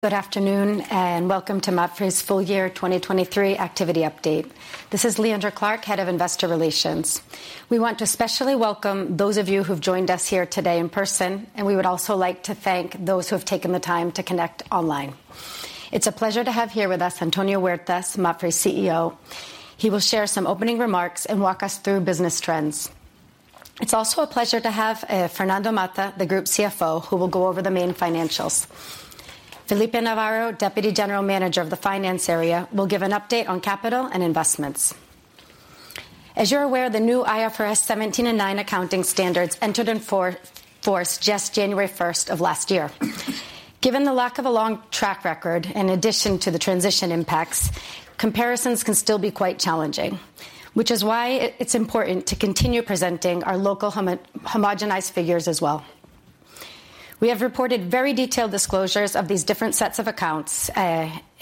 Good afternoon and welcome to MAPFRE's full year 2023 activity update. This is Leandra Clark, Head of Investor Relations. We want to especially welcome those of you who've joined us here today in person, and we would also like to thank those who have taken the time to connect online. It's a pleasure to have here with us Antonio Huertas, MAPFRE CEO. He will share some opening remarks and walk us through business trends. It's also a pleasure to have Fernando Mata, the Group CFO, who will go over the main financials. Felipe Navarro, Deputy General Manager of the Finance Area, will give an update on capital and investments. As you're aware, the new IFRS 17 and 9 accounting standards entered in force just January 1 of last year. Given the lack of a long track record in addition to the transition impacts, comparisons can still be quite challenging, which is why it's important to continue presenting our local homogenized figures as well. We have reported very detailed disclosures of these different sets of accounts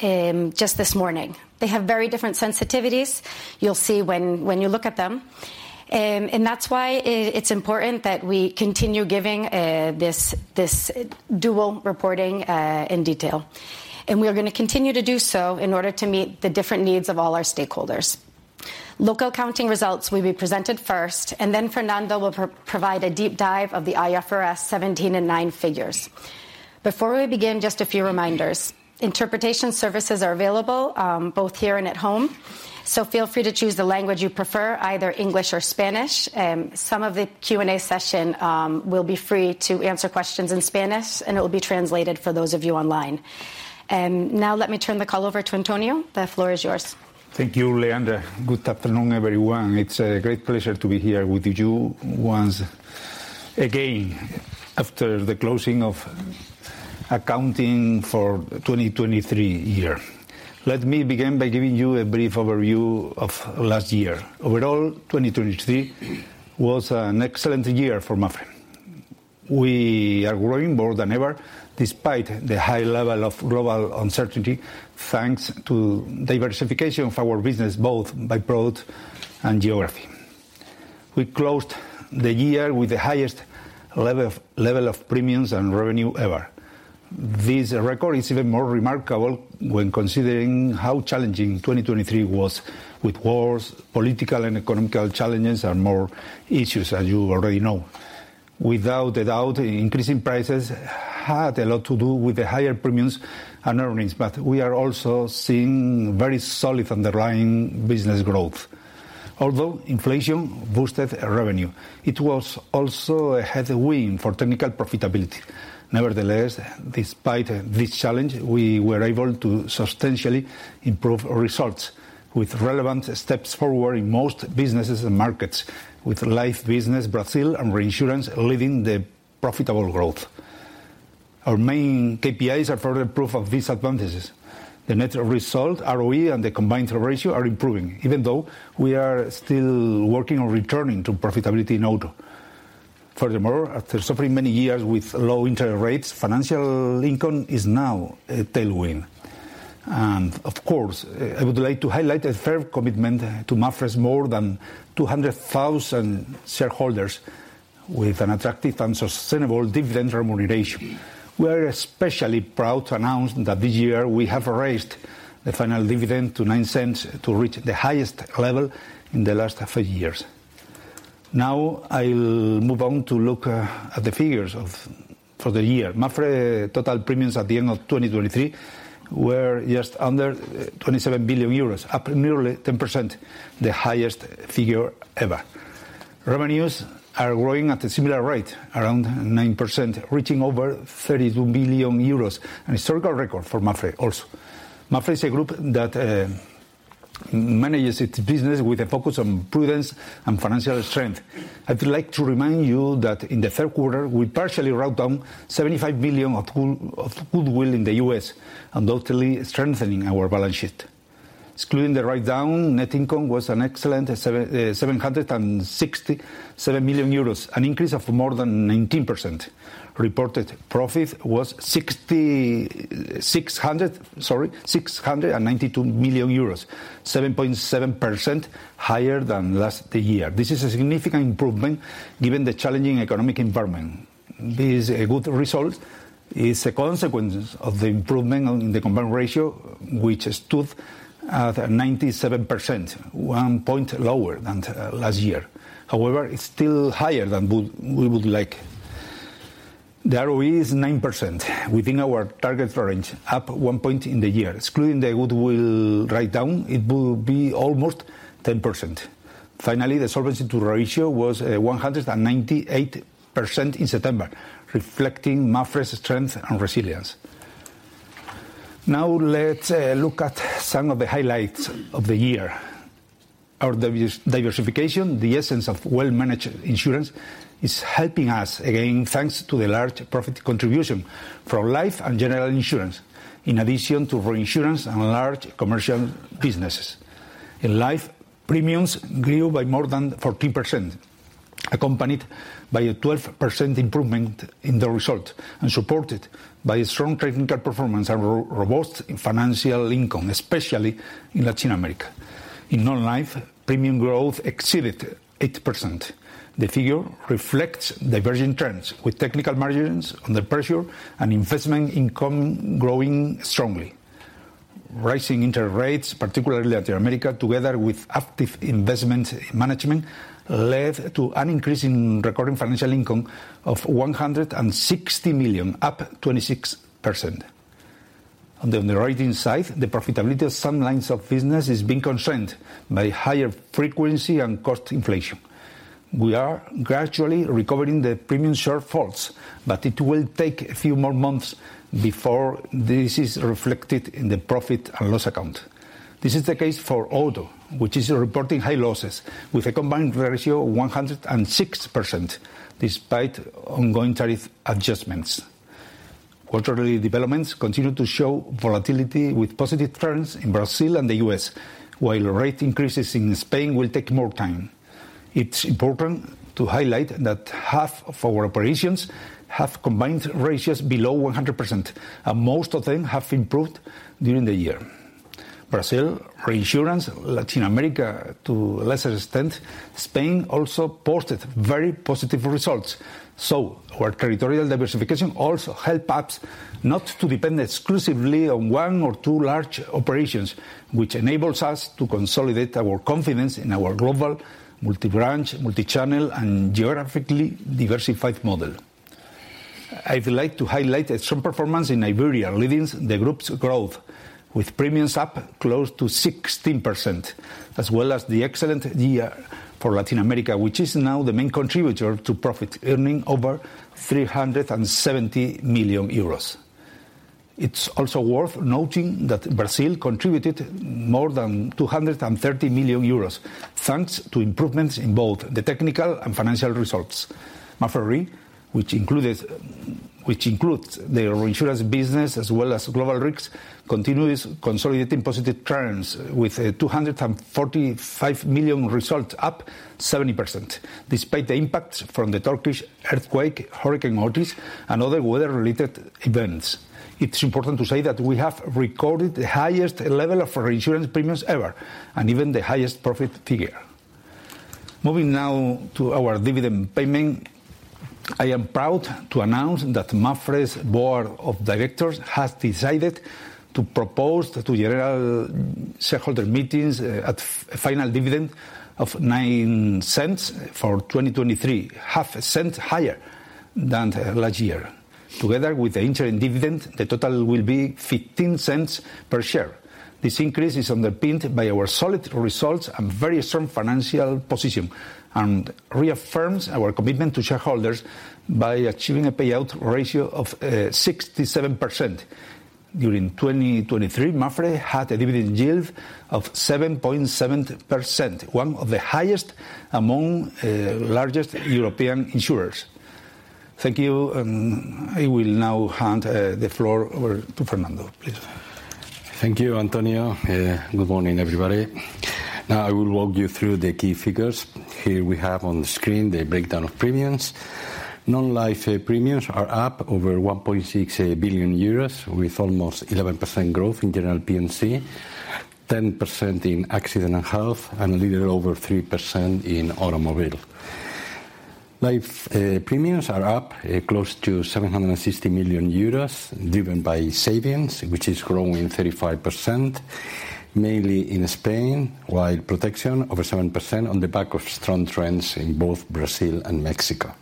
just this morning. They have very different sensitivities. You'll see when you look at them. That's why it's important that we continue giving this dual reporting in detail, and we're going to continue to do so in order to meet the different needs of all our stakeholders. Local accounting results will be presented first, and then Fernando will provide a deep dive of the IFRS 17 and 9 figures. Before we begin, just a few reminders: interpretation services are available both here and at home, so feel free to choose the language you prefer, either English or Spanish. Some of the Q&A session will be free to answer questions in Spanish, and it will be translated for those of you online. Now let me turn the call over to Antonio. The floor is yours. Thank you, Leandra. Good afternoon, everyone. It's a great pleasure to be here with you once again after the closing of accounting for the 2023 year. Let me begin by giving you a brief overview of last year. Overall, 2023 was an excellent year for MAPFRE. We are growing more than ever despite the high level of global uncertainty, thanks to diversification of our business both by growth and geography. We closed the year with the highest level of premiums and revenue ever. This record is even more remarkable when considering how challenging 2023 was, with wars, political and economic challenges, and more issues, as you already know. Without a doubt, increasing prices had a lot to do with the higher premiums and earnings, but we are also seeing very solid underlying business growth. Although inflation boosted revenue, it was also a headwind for technical profitability. Nevertheless, despite this challenge, we were able to substantially improve results, with relevant steps forward in most businesses and markets, with Life Business Brazil and Reinsurance leading the profitable growth. Our main KPIs are further proof of these advantages. The net result, ROE, and the combined ratio are improving, even though we are still working on returning to profitability in auto. Furthermore, after suffering many years with low interest rates, financial income is now a tailwind. Of course, I would like to highlight a fair commitment to MAPFRE's more than 200,000 shareholders, with an attractive and sustainable dividend remuneration. We are especially proud to announce that this year we have raised the final dividend to 0.09 to reach the highest level in the last five years. Now I'll move on to look at the figures for the year. MAPFRE total premiums at the end of 2023 were just under 27 billion euros, up nearly 10%, the highest figure ever. Revenues are growing at a similar rate, around 9%, reaching over 32 billion euros, a historical record for MAPFRE also. MAPFRE is a group that manages its business with a focus on prudence and financial strength. I'd like to remind you that in the third quarter we partially wrote down 75 billion of goodwill in the U.S., undoubtedly strengthening our balance sheet. Excluding the write-down, net income was an excellent 767 million euros, an increase of more than 19%. Reported profit was EUR 692 million, 7.7% higher than last year. This is a significant improvement given the challenging economic environment. This good result is a consequence of the improvement in the combined ratio, which stood at 97%, one point lower than last year. However, it's still higher than we would like. The ROE is 9%, within our target range, up one point in the year. Excluding the goodwill write-down, it would be almost 10%. Finally, the solvency ratio was 198% in September, reflecting MAPFRE's strength and resilience. Now let's look at some of the highlights of the year. Our diversification, the essence of well-managed insurance, is helping us again thanks to the large profit contribution from Life and General Insurance, in addition to Reinsurance and large commercial businesses. In Life, premiums grew by more than 14%, accompanied by a 12% improvement in the result, and supported by strong technical performance and robust financial income, especially in Latin America. In non-Life, premium growth exceeded 8%. The figure reflects diverging trends, with technical margins under pressure and investment income growing strongly. Rising interest rates, particularly in Latin America, together with active investment management, led to an increase in recorded financial income of 160 million, up 26%. On the underwriting side, the profitability of some lines of business is being constrained by higher frequency and cost inflation. We are gradually recovering the premium shortfalls, but it will take a few more months before this is reflected in the profit and loss account. This is the case for auto, which is reporting high losses, with a combined ratio of 106%, despite ongoing tariff adjustments. Quarterly developments continue to show volatility, with positive trends in Brazil and the U.S., while rate increases in Spain will take more time. It's important to highlight that half of our operations have combined ratios below 100%, and most of them have improved during the year. Brazil, Reinsurance, Latin America to a lesser extent, Spain also posted very positive results. So, our territorial diversification also helps MAPFRE not to depend exclusively on one or two large operations, which enables us to consolidate our confidence in our global, multi-branch, multi-channel, and geographically diversified model. I'd like to highlight a strong performance in Iberia, leading the group's growth, with premiums up close to 16%, as well as the excellent year for Latin America, which is now the main contributor to profit, earning over 370 million euros. It's also worth noting that Brazil contributed more than 230 million euros, thanks to improvements in both the technical and financial results. MAPFRE, which includes the Reinsurance business as well as Global Risks, continues consolidating positive trends, with a 245 million result up 70%, despite the impacts from the Turkish earthquake, Hurricane Otis, and other weather-related events. It's important to say that we have recorded the highest level of reinsurance premiums ever, and even the highest profit figure. Moving now to our dividend payment, I am proud to announce that MAPFRE's Board of Directors has decided to propose to general shareholder meetings a final dividend of 0.09 for 2023, EUR0.005 higher than last year. Together with the interim dividend, the total will be 0.15 per share. This increase is underpinned by our solid results and very strong financial position, and reaffirms our commitment to shareholders by achieving a payout ratio of 67%. During 2023, MAPFRE had a dividend yield of 7.7%, one of the highest among largest European insurers. Thank you, and I will now hand the floor over to Fernando, please. Thank you, Antonio. Good morning, everybody. Now I will walk you through the key figures. Here we have on the screen the breakdown of premiums. Non-Life premiums are up over 1.6 billion euros, with almost 11% growth in general P&C, 10% in accident and health, and a little over 3% in automobile. Life premiums are up close to 760 million euros, driven by savings, which is growing 35%, mainly in Spain, while protection is over 7% on the back of strong trends in both Brazil and Mexico.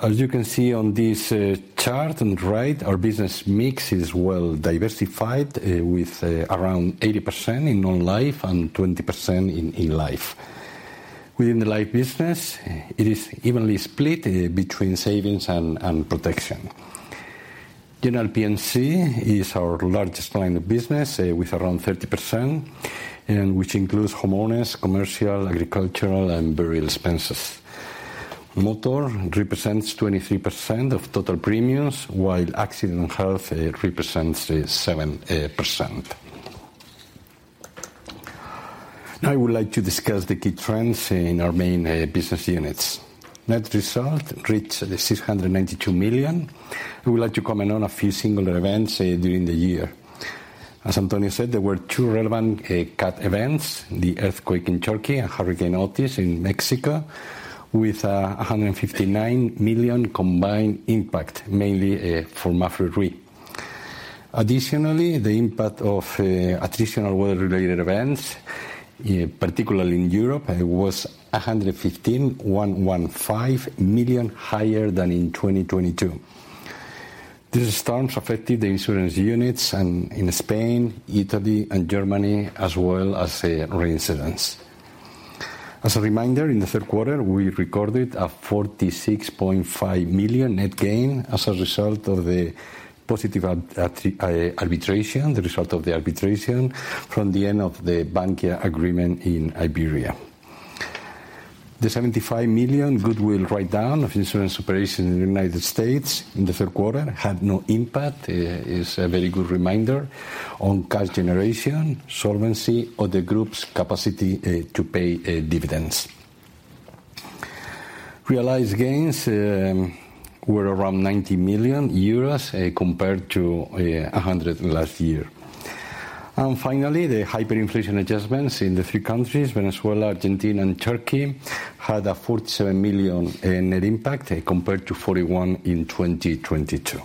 As you can see on this chart on the right, our business mix is well diversified, with around 80% in Non-Life and 20% in Life. Within the Life business, it is evenly split between savings and protection. General P&C is our largest line of business, with around 30%, which includes homeowners, commercial, agricultural, and burial expenses. Motor represents 23% of total premiums, while accident and health represents 7%. Now I would like to discuss the key trends in our main business units. Net result reached 692 million. I would like to comment on a few single events during the year. As Antonio said, there were two relevant events, the earthquake in Turkey and Hurricane Otis in Mexico, with a 159 million combined impact, mainly for MAPFRE RE. Additionally, the impact of attritional weather-related events, particularly in Europe, was 115 million higher than in 2022. These storms affected the insurance units in Spain, Italy, and Germany, as well as Reinsurance. As a reminder, in the third quarter we recorded a 46.5 million net gain as a result of the positive arbitration, the result of the arbitration from the end of the bank agreement in Iberia. The 75 million goodwill write-down of insurance operations in the United States in the third quarter had no impact. It's a very good reminder on cash generation, solvency, or the group's capacity to pay dividends. Realized gains were around 90 million euros compared to 100 million last year. And finally, the hyperinflation adjustments in the three countries, Venezuela, Argentina, and Turkey, had a 47 million net impact compared to 41 million in 2022.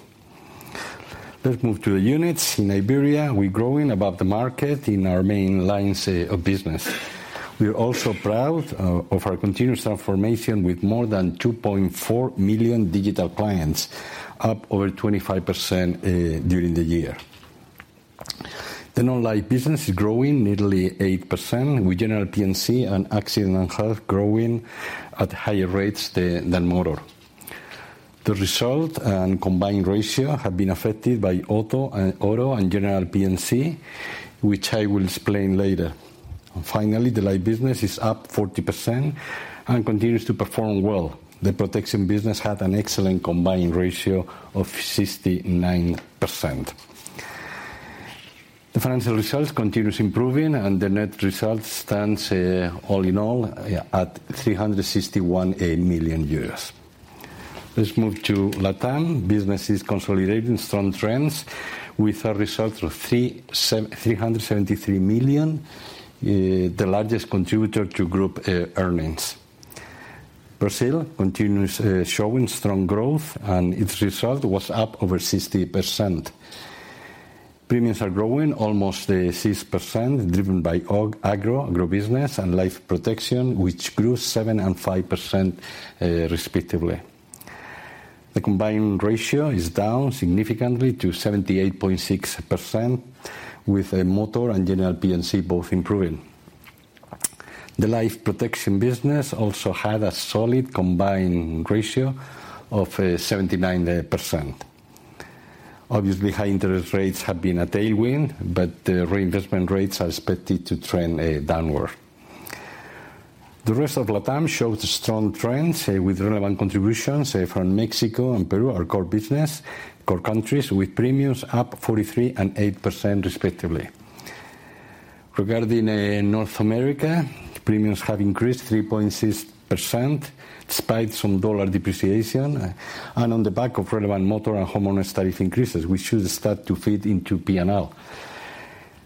Let's move to the units. In Iberia, we're growing above the market in our main lines of business. We're also proud of our continuous transformation with more than 2.4 million digital clients, up over 25% during the year. The non-Life business is growing nearly 8%, with general P&C and accident and health growing at higher rates than Motor. The result and combined ratio have been affected by auto and general P&C, which I will explain later. Finally, the Life business is up 40% and continues to perform well. The protection business had an excellent combined ratio of 69%. The financial results continue improving, and the net result stands, all in all, at 361 million euros. Let's move to Latam. Business is consolidating strong trends, with a result of 373 million, the largest contributor to group earnings. Brazil continues showing strong growth, and its result was up over 60%. Premiums are growing almost 6%, driven by agro, agrobusiness, and life protection, which grew 7% and 5% respectively. The combined ratio is down significantly to 78.6%, with motor and general P&C both improving. The life protection business also had a solid combined ratio of 79%. Obviously, high interest rates have been a tailwind, but reinvestment rates are expected to trend downward. The rest of Latam showed strong trends, with relevant contributions from Mexico and Peru, our core business, core countries, with premiums up 43% and 8% respectively. Regarding North America, premiums have increased 3.6% despite some dollar depreciation, and on the back of relevant motor and homeowners tariff increases, which should start to feed into P&L.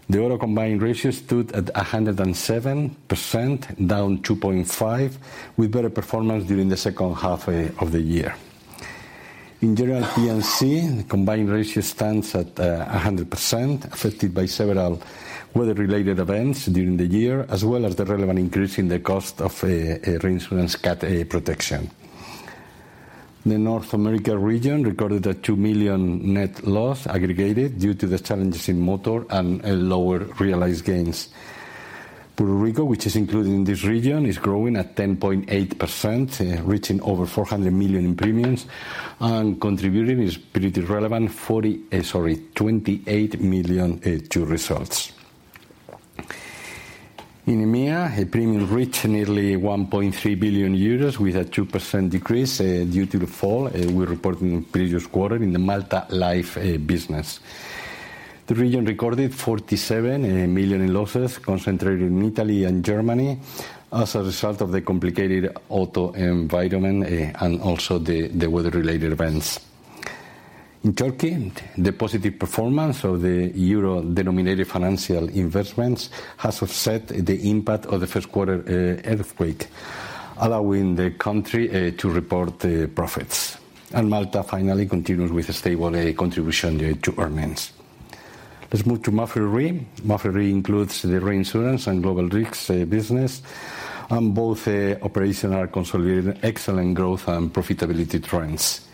The auto combined ratio stood at 107%, down 2.5%, with better performance during the second half of the year. In general P&C, the combined ratio stands at 100%, affected by several weather-related events during the year, as well as the relevant increase in the cost of reinsurance protection. The North America region recorded a $2 million net loss aggregated due to the challenges in motor and lower realized gains. Puerto Rico, which is included in this region, is growing at 10.8%, reaching over 400 million in premiums, and contributing its pretty relevant 28 million to results. In EMEA, a premium reached nearly 1.3 billion euros, with a 2% decrease due to the fall we reported in the previous quarter in the Malta Life business. The region recorded 47 million in losses, concentrated in Italy and Germany, as a result of the complicated auto environment and also the weather-related events. In Turkey, the positive performance of the euro-denominated financial investments has offset the impact of the first quarter earthquake, allowing the country to report profits. Malta finally continues with a stable contribution to earnings. Let's move to MAPFRE RE. MAPFRE RE includes the Reinsurance and Global Risks business, and both operations are consolidating excellent growth and profitability trends.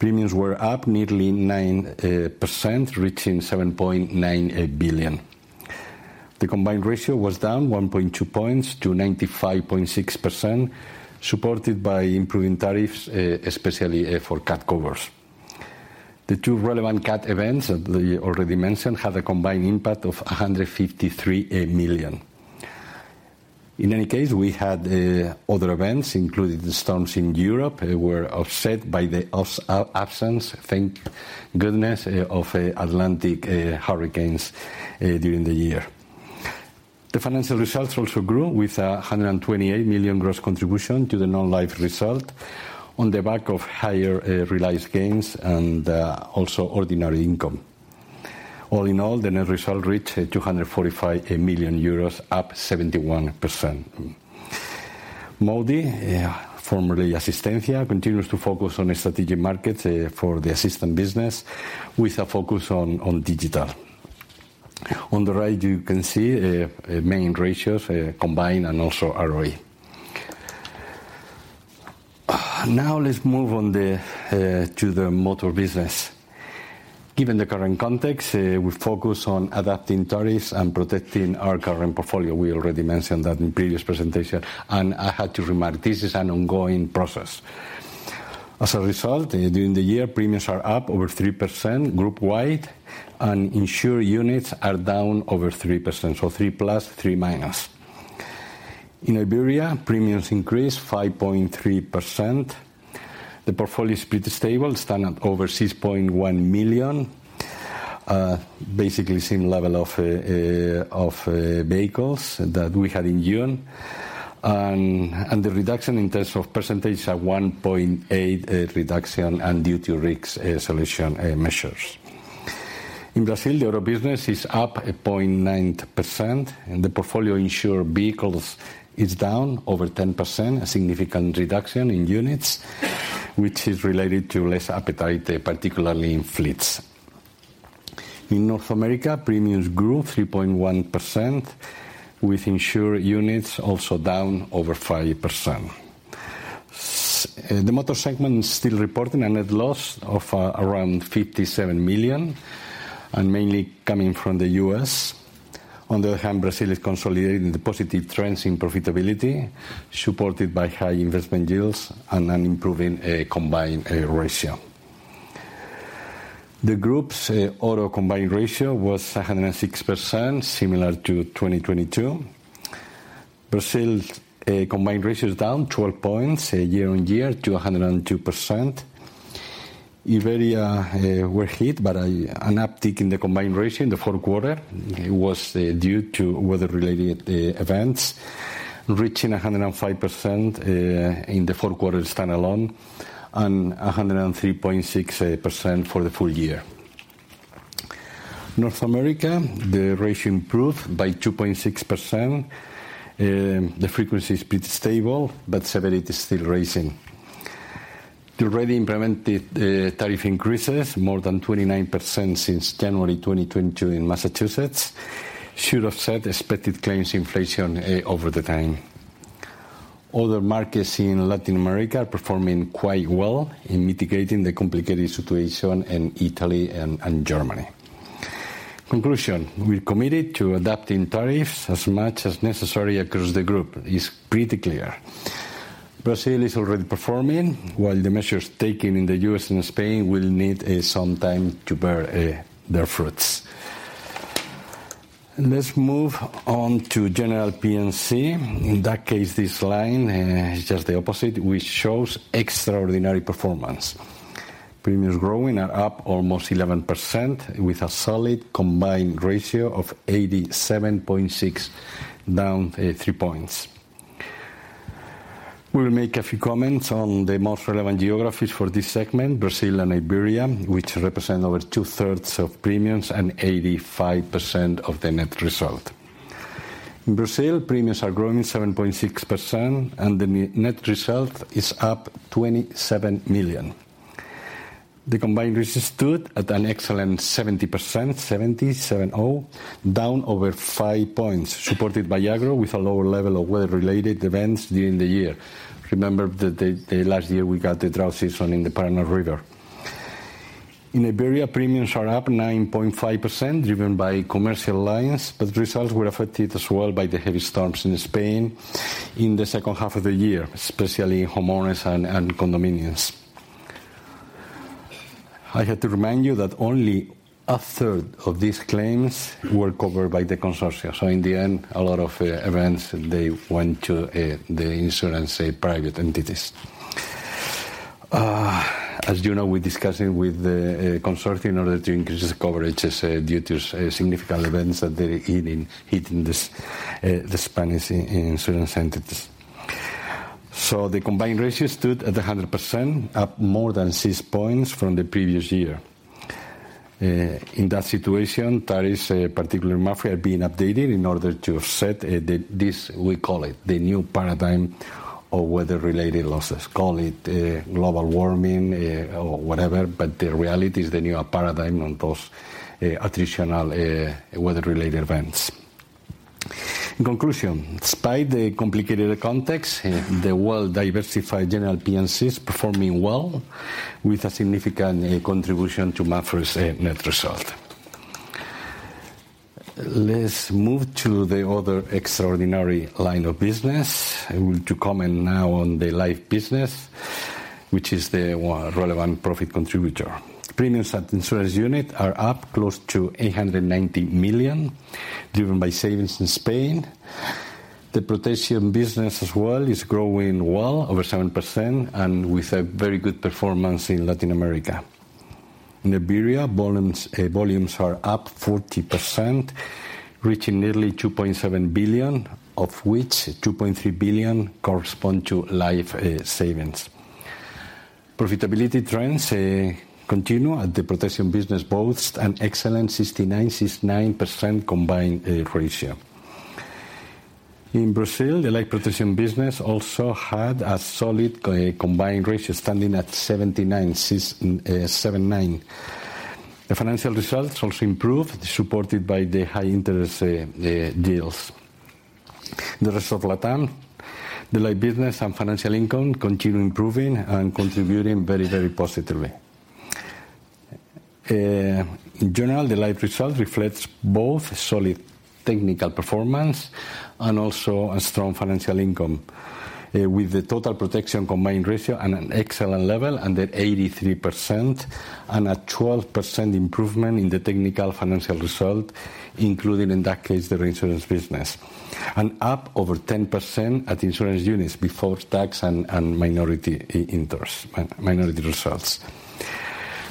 Premiums were up nearly 9%, reaching 7.9 billion. The combined ratio was down 1.2 points to 95.6%, supported by improving tariffs, especially for cat covers. The two relevant cat events that I already mentioned had a combined impact of 153 million. In any case, we had other events, including the storms in Europe, that were offset by the absence, thank goodness, of Atlantic hurricanes during the year. The financial results also grew, with a 128 million gross contribution to the Non-Life result, on the back of higher realized gains and also ordinary income. All in all, the net result reached 245 million euros, up 71%. MAWDY, formerly Asistencia, continues to focus on strategic markets for the assistance business, with a focus on digital. On the right, you can see main ratios, combined, and also ROE. Now let's move on to the motor business. Given the current context, we focus on adapting tariffs and protecting our current portfolio. We already mentioned that in previous presentations, and I had to remark, this is an ongoing process. As a result, during the year, premiums are up over 3% group-wide, and insured units are down over 3%, so 3+, 3-. In Iberia, premiums increased 5.3%. The portfolio is pretty stable, standing at over 6.1 million, basically the same level of vehicles that we had in June, and the reduction in terms of percentage is at 1.8% reduction and due to risk selection measures. In Brazil, the auto business is up 0.9%, and the portfolio insured vehicles is down over 10%, a significant reduction in units, which is related to less appetite, particularly in fleets. In North America, premiums grew 3.1%, with insured units also down over 5%. The motor segment is still reporting a net loss of around 57 million, and mainly coming from the U.S. On the other hand, Brazil is consolidating the positive trends in profitability, supported by high investment yields and an improving combined ratio. The group's auto combined ratio was 106%, similar to 2022. Brazil's combined ratio is down 12 points year-on-year, to 102%. Iberia were hit, but an uptick in the combined ratio in the fourth quarter was due to weather-related events, reaching 105% in the fourth quarter standalone, and 103.6% for the full year. North America, the ratio improved by 2.6%. The frequency is pretty stable, but severity is still rising. The already implemented tariff increases, more than 29% since January 2022 in Massachusetts, should offset expected claims inflation over the time. Other markets in Latin America are performing quite well in mitigating the complicated situation in Italy and Germany. Conclusion, we're committed to adapting tariffs as much as necessary across the group, is pretty clear. Brazil is already performing, while the measures taken in the US and Spain will need some time to bear their fruits. Let's move on to general P&C. In that case, this line is just the opposite, which shows extraordinary performance. Premiums growing are up almost 11%, with a solid combined ratio of 87.6, down 3 points. We will make a few comments on the most relevant geographies for this segment, Brazil and Iberia, which represent over two-thirds of premiums and 85% of the net result. In Brazil, premiums are growing 7.6%, and the net result is up 27 million. The combined ratio stood at an excellent 70%, 70, 70, down over 5 points, supported by agro, with a lower level of weather-related events during the year. Remember that last year we got the drought season in the Paraná River. In Iberia, premiums are up 9.5%, driven by commercial lines, but results were affected as well by the heavy storms in Spain in the second half of the year, especially homeowners and condominiums. I had to remind you that only a third of these claims were covered by the Consortium. So, in the end, a lot of events went to the insurance private entities. As you know, we're discussing with the Consortium in order to increase the coverage due to significant events that are hitting the Spanish insurance entities. So, the combined ratio stood at 100%, up more than 6 points from the previous year. In that situation, tariffs, particularly MAPFRE, are being updated in order to offset this, we call it, the new paradigm of weather-related losses. Call it global warming or whatever, but the reality is the new paradigm on those attritional weather-related events. In conclusion, despite the complicated context, the well-diversified general P&C is performing well, with a significant contribution to MAPFRE's net result. Let's move to the other extraordinary line of business. I will comment now on the life business, which is the relevant profit contributor. Premiums at insurance unit are up close to 890 million, driven by savings in Spain. The protection business as well is growing well, over 7%, and with a very good performance in Latin America. In Iberia, volumes are up 40%, reaching nearly 2.7 billion, of which 2.3 billion correspond to life savings. Profitability trends continue as the protection business boasts an excellent 69%-69% combined ratio. In Brazil, the life protection business also had a solid combined ratio, standing at 79%-79%. The financial results also improved, supported by the high interest deals. The rest of Latam, the life business and financial income continue improving and contributing very, very positively. In general, the life result reflects both solid technical performance and also a strong financial income, with the total protection combined ratio at an excellent level under 83% and a 12% improvement in the technical financial result, including in that case the reinsurance business, and up over 10% at insurance units before tax and minority results.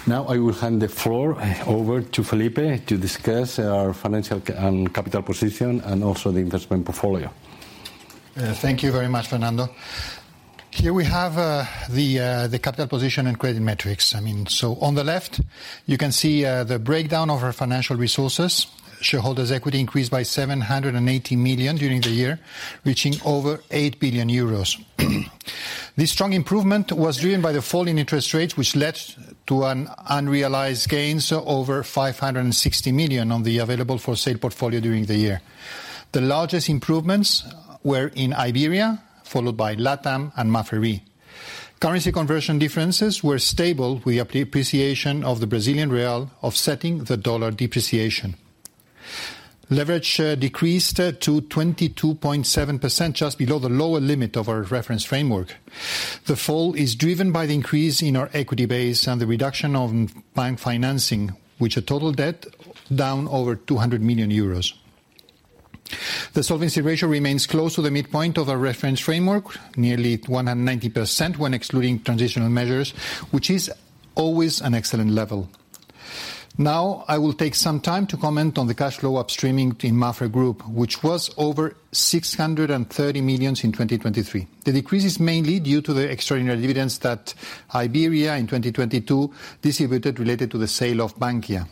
Now I will hand the floor over to Felipe to discuss our financial and capital position and also the investment portfolio. Thank you very much, Fernando. Here we have the capital position and credit metrics. I mean, so on the left, you can see the breakdown of our financial resources. Shareholders' equity increased by 780 million during the year, reaching over 8 billion euros. This strong improvement was driven by the fall in interest rates, which led to unrealized gains over 560 million on the available for sale portfolio during the year. The largest improvements were in Iberia, followed by Latam and MAPFRE RE. Currency conversion differences were stable with the appreciation of the Brazilian real, offsetting the dollar depreciation. Leverage decreased to 22.7%, just below the lower limit of our reference framework. The fall is driven by the increase in our equity base and the reduction of bank financing, which total debt down over 200 million euros. The solvency ratio remains close to the midpoint of our reference framework, nearly 190% when excluding transitional measures, which is always an excellent level. Now I will take some time to comment on the cash flow upstreaming in MAPFRE Group, which was over 630 million in 2023. The decrease is mainly due to the extraordinary dividends that Iberia in 2022 distributed related to the sale of Bankia.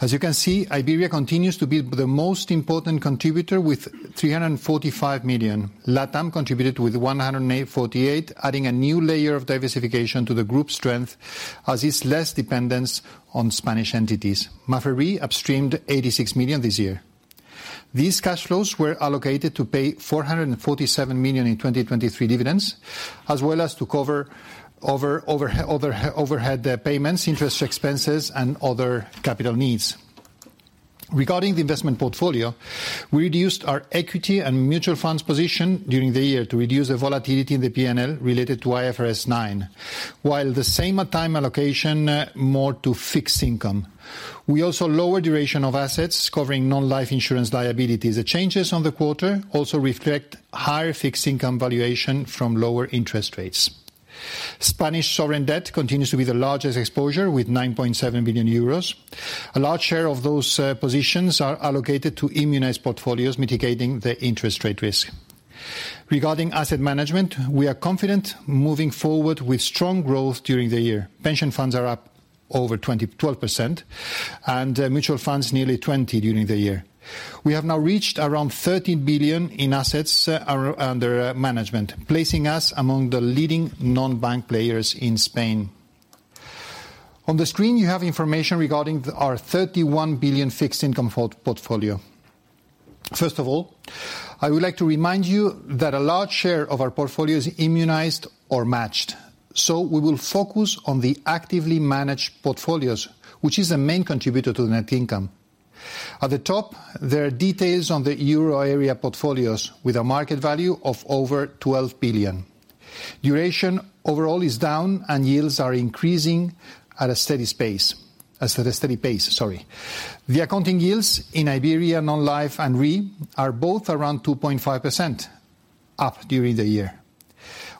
As you can see, Iberia continues to be the most important contributor with 345 million. Latam contributed with 148 million, adding a new layer of diversification to the group's strength as it's less dependent on Spanish entities. MAPFRE RE upstreamed 86 million this year. These cash flows were allocated to pay 447 million in 2023 dividends, as well as to cover overhead payments, interest expenses, and other capital needs. Regarding the investment portfolio, we reduced our equity and mutual funds position during the year to reduce the volatility in the P&L related to IFRS 9, while the same time allocation more to fixed income. We also lowered the duration of assets, covering non-life insurance liabilities. The changes on the quarter also reflect higher fixed income valuation from lower interest rates. Spanish sovereign debt continues to be the largest exposure with 9.7 billion euros. A large share of those positions are allocated to immunized portfolios, mitigating the interest rate risk. Regarding asset management, we are confident moving forward with strong growth during the year. Pension funds are up over 12%, and mutual funds nearly 20% during the year. We have now reached around 30 billion in assets under management, placing us among the leading non-bank players in Spain. On the screen, you have information regarding our 31 billion fixed income portfolio. First of all, I would like to remind you that a large share of our portfolio is immunized or matched, so we will focus on the actively managed portfolios, which is the main contributor to net income. At the top, there are details on the Euro area portfolios, with a market value of over 12 billion. Duration overall is down, and yields are increasing at a steady pace. The accounting yields in Iberia, non-life, and RE are both around 2.5% up during the year.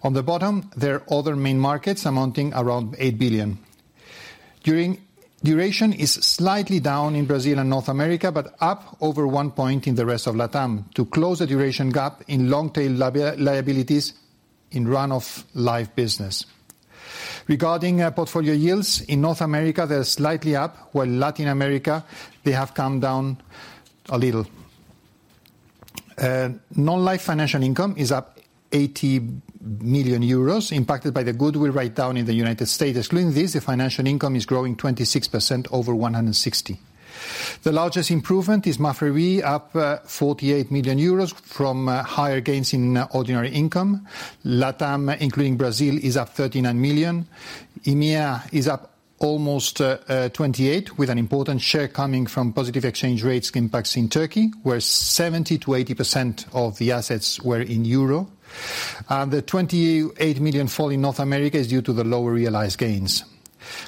On the bottom, there are other main markets amounting around 8 billion. Duration is slightly down in Brazil and North America, but up over one point in the rest of Latam, to close the duration gap in long-tail liabilities in run-off life business. Regarding portfolio yields, in North America they are slightly up, while in Latin America they have come down a little. Non-life financial income is up 80 million euros, impacted by the goodwill write-down in the United States. Excluding this, the financial income is growing 26% over 160 million. The largest improvement is MAPFRE RE, up 48 million euros from higher gains in ordinary income. Latam, including Brazil, is up 39 million. EMEA is up almost 28, with an important share coming from positive exchange rates impacts in Turkey, where 70%-80% of the assets were in euro. The 28 million fall in North America is due to the lower realized gains.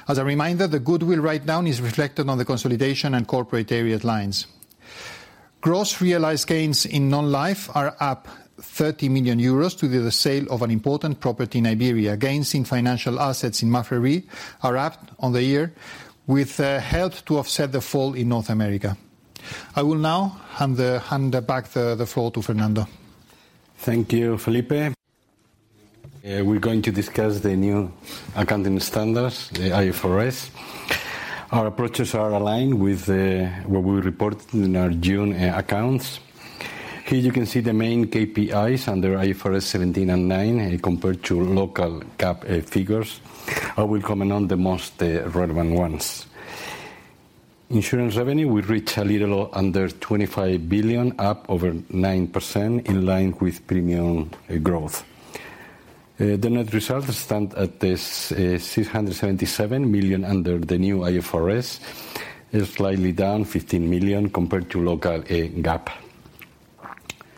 As a reminder, the goodwill right down is reflected on the consolidation and corporate area lines. Gross realized gains in non-life are up 30 million euros due to the sale of an important property in Iberia. Gains in financial assets in MAPFRE RE are up on the year, with help to offset the fall in North America. I will now hand back the floor to Fernando. Thank you, Felipe. We're going to discuss the new accounting standards, the IFRS. Our approaches are aligned with what we reported in our June accounts. Here you can see the main KPIs under IFRS 17 and 9, compared to local GAAP figures.I will comment on the most relevant ones. Insurance revenue, we reach a little under 25 billion, up over 9%, in line with premium growth. The net results stand at 677 million under the new IFRS. It's slightly down, 15 million, compared to local GAAP.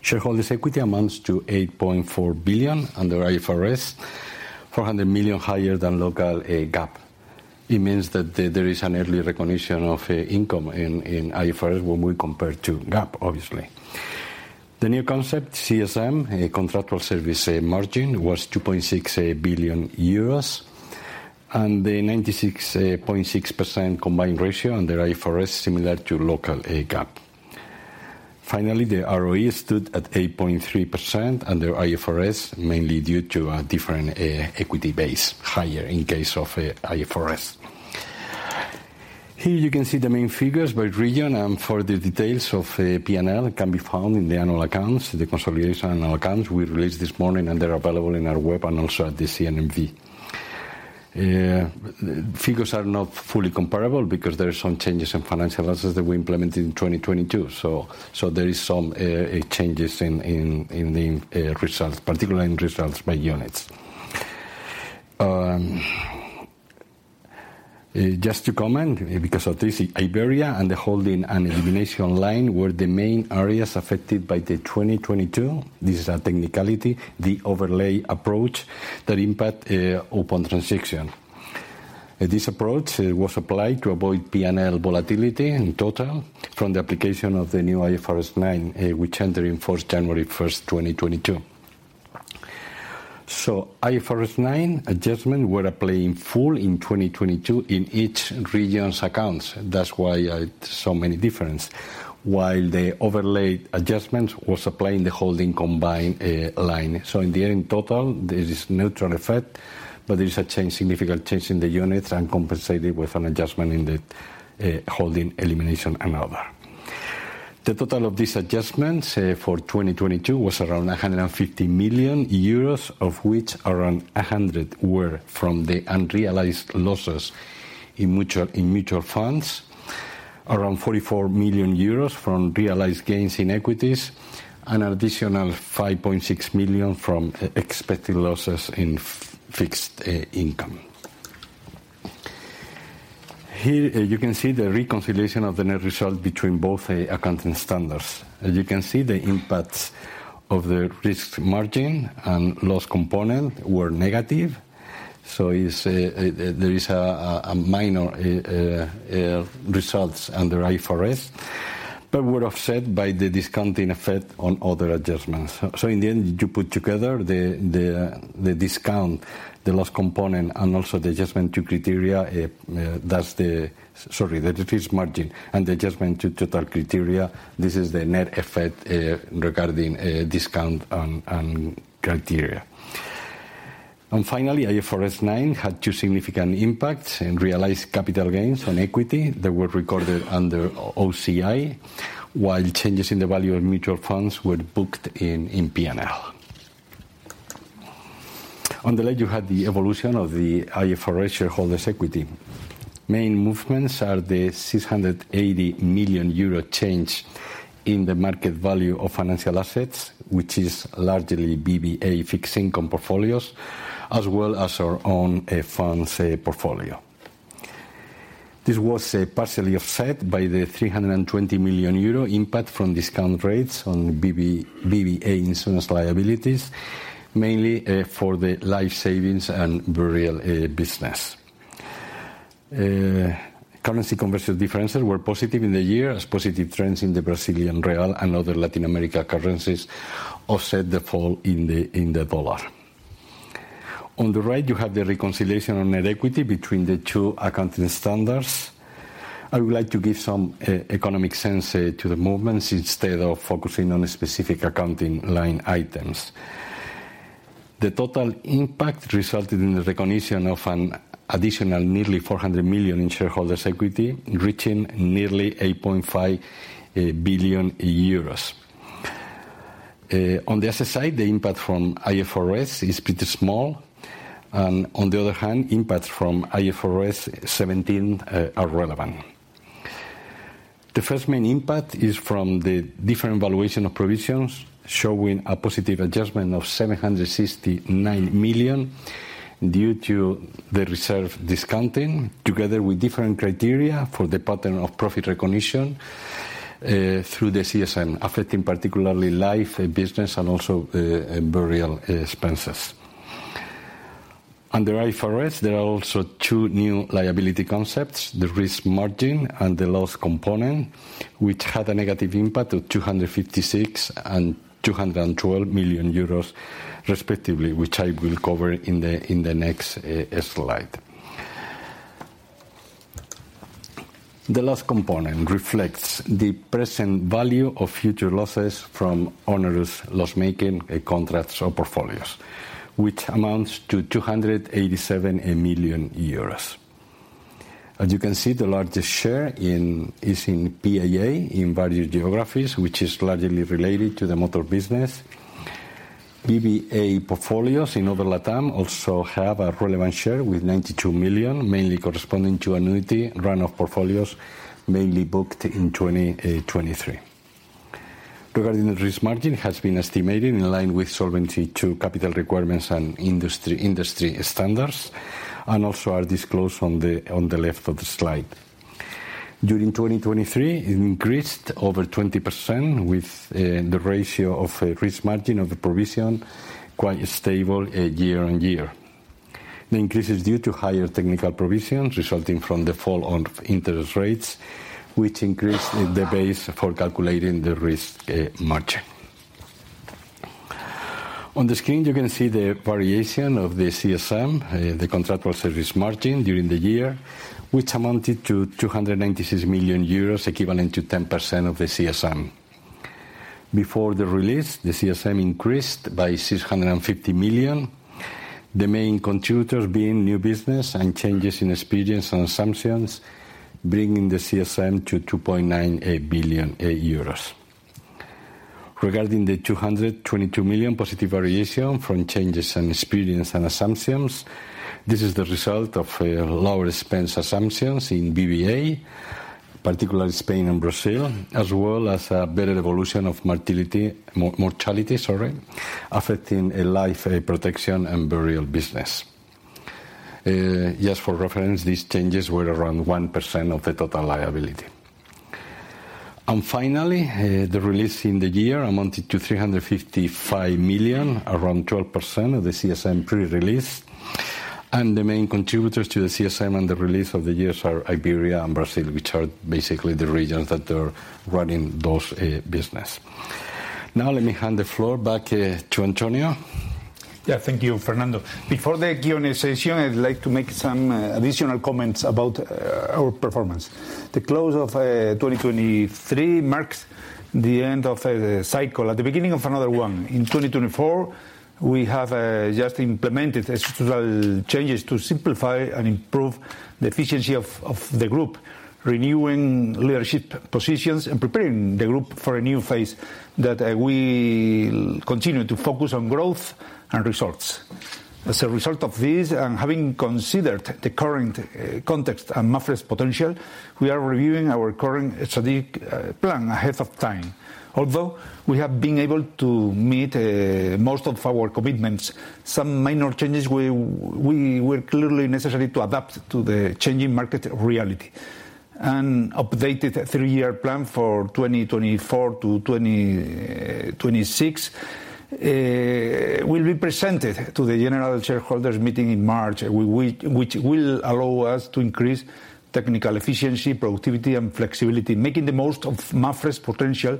Shareholders' equity amounts to 8.4 billion under IFRS, 400 million higher than local GAAP. It means that there is an early recognition of income in IFRS when we compare to GAAP, obviously. The new concept, CSM, contractual service margin, was 2.6 billion euros, and the 96.6% combined ratio under IFRS is similar to local GAAP. Finally, the ROE stood at 8.3% under IFRS, mainly due to a different equity base, higher in case of IFRS. Here you can see the main figures by region, and further details of P&L can be found in the annual accounts, the consolidated annual accounts we released this morning, and they are available in our web and also at the CNMV. Figures are not fully comparable because there are some changes in financial assets that we implemented in 2022, so there are some changes in the results, particularly in results by units. Just to comment because of this, Iberia and the holding and elimination line were the main areas affected by 2022. This is a technicality, the overlay approach, that impacted open transaction. This approach was applied to avoid P&L volatility in total from the application of the new IFRS 9, which entered in force January 1, 2022. So, IFRS 9 adjustments were applied in full in 2022 in each region's accounts. That's why so many differences, while the overlay adjustment was applied in the holding combined line. So, in the end, in total, there is a neutral effect, but there is a significant change in the units and compensated with an adjustment in the holding elimination and other. The total of these adjustments for 2022 was around 150 million euros, of which around 100 million were from the unrealized losses in mutual funds, around 44 million euros from realized gains in equities, and an additional 5.6 million from expected losses in fixed income. Here you can see the reconciliation of the net result between both accounting standards. You can see the impacts of the risk margin and loss component were negative, so there are minor results under IFRS, but were offset by the discounting effect on other adjustments. In the end, you put together the discount, the loss component, and also the adjustment to criteria. That's the, sorry, the risk margin and the adjustment to total criteria. This is the net effect regarding discount and criteria. Finally, IFRS 9 had two significant impacts in realized capital gains on equity that were recorded under OCI, while changes in the value of mutual funds were booked in P&L. On the left, you had the evolution of the IFRS shareholders' equity. Main movements are the 680 million euro change in the market value of financial assets, which is largely BBA fixed income portfolios, as well as our own funds portfolio. This was partially offset by the 320 million euro impact from discount rates on BBA insurance liabilities, mainly for the life savings and burial business. Currency conversion differences were positive in the year, as positive trends in the Brazilian real and other Latin American currencies offset the fall in the dollar. On the right, you have the reconciliation on net equity between the two accounting standards. I would like to give some economic sense to the movements instead of focusing on specific accounting line items. The total impact resulted in the recognition of an additional nearly 400 million in shareholders' equity, reaching nearly 8.5 billion euros. On the other side, the impact from IFRS is pretty small, and on the other hand, impacts from IFRS 17 are relevant. The first main impact is from the different valuation of provisions, showing a positive adjustment of 769 million due to the reserve discounting, together with different criteria for the pattern of profit recognition through the CSM, affecting particularly life business and also burial expenses. Under IFRS, there are also two new liability concepts, the risk margin and the loss component, which had a negative impact of 256 million and 212 million euros, respectively, which I will cover in the next slide. The loss component reflects the present value of future losses from onerous loss-making contracts or portfolios, which amounts to 287 million euros. As you can see, the largest share is in PAA in various geographies, which is largely related to the motor business. BBA portfolios in other Latam also have a relevant share with 92 million, mainly corresponding to annuity run-off portfolios mainly booked in 2023. Regarding the risk margin, it has been estimated in line with solvency to capital requirements and industry standards, and also are disclosed on the left of the slide. During 2023, it increased over 20%, with the ratio of risk margin of the provision quite stable year-on-year. The increase is due to higher technical provisions resulting from the fall in interest rates, which increased the base for calculating the risk margin. On the screen, you can see the variation of the CSM, the contractual service margin, during the year, which amounted to 296 million euros, equivalent to 10% of the CSM. Before the release, the CSM increased by 650 million, the main contributors being new business and changes in experience and assumptions, bringing the CSM to 2.9 billion euros. Regarding the 222 million positive variation from changes in experience and assumptions, this is the result of lower expense assumptions in BBA, particularly Spain and Brazil, as well as a better evolution of mortality, sorry, affecting life protection and burial business. Just for reference, these changes were around 1% of the total liability. And finally, the release in the year amounted to 355 million, around 12% of the CSM pre-release, and the main contributors to the CSM and the release of the years are Iberia and Brazil, which are basically the regions that are running those businesses. Now, let me hand the floor back to Antonio. Yeah, thank you, Fernando. Before the Q&A, I'd like to make some additional comments about our performance. The close of 2023 marks the end of a cycle, at the beginning of another one. In 2024, we have just implemented structural changes to simplify and improve the efficiency of the group, renewing leadership positions and preparing the group for a new phase that we continue to focus on growth and results. As a result of this, and having considered the current context and MAPFRE's potential, we are reviewing our current strategic plan ahead of time. Although we have been able to meet most of our commitments, some minor changes were clearly necessary to adapt to the changing market reality. An updated three-year plan for 2024 to 2026 will be presented to the general shareholders' meeting in March, which will allow us to increase technical efficiency, productivity, and flexibility, making the most of MAPFRE's potential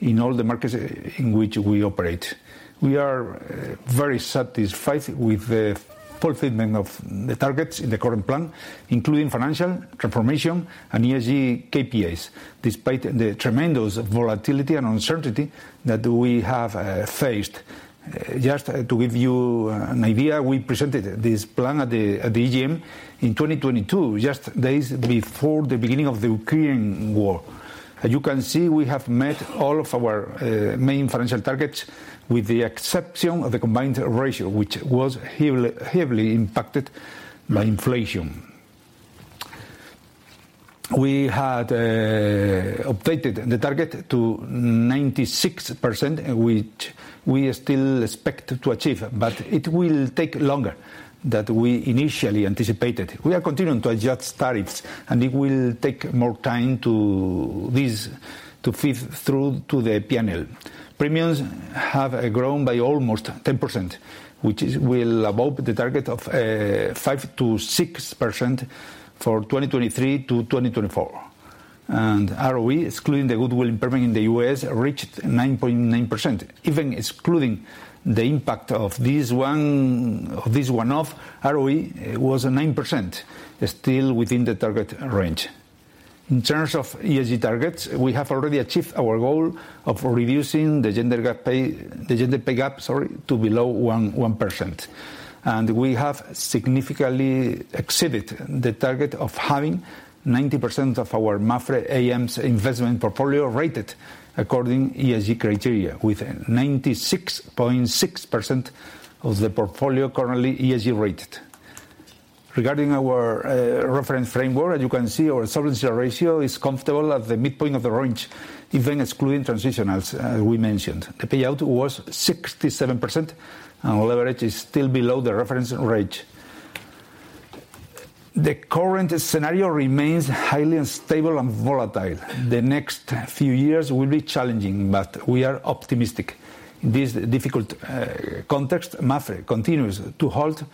in all the markets in which we operate. We are very satisfied with the fulfillment of the targets in the current plan, including financial transformation and ESG KPIs, despite the tremendous volatility and uncertainty that we have faced. Just to give you an idea, we presented this plan at the EGM in 2022, just days before the beginning of the Ukraine war. You can see we have met all of our main financial targets, with the exception of the combined ratio, which was heavily impacted by inflation. We had updated the target to 96%, which we still expect to achieve, but it will take longer than we initially anticipated. We are continuing to adjust tariffs, and it will take more time for these to feed through to the P&L. Premiums have grown by almost 10%, which is above the target of 5%-6% for 2023 to 2024. ROE, excluding the goodwill impairment in the U.S., reached 9.9%. Even excluding the impact of this one-off, ROE was 9%, still within the target range. In terms of ESG targets, we have already achieved our goal of reducing the gender pay gap to below 1%. We have significantly exceeded the target of having 90% of our MAPFRE AM's investment portfolio rated according to ESG criteria, with 96.6% of the portfolio currently ESG-rated. Regarding our reference framework, as you can see, our solvency ratio is comfortable at the midpoint of the range, even excluding transitionals, as we mentioned. The payout was 67%, and leverage is still below the reference range. The current scenario remains highly unstable and volatile. The next few years will be challenging, but we are optimistic. In this difficult context, MAPFRE continues to hold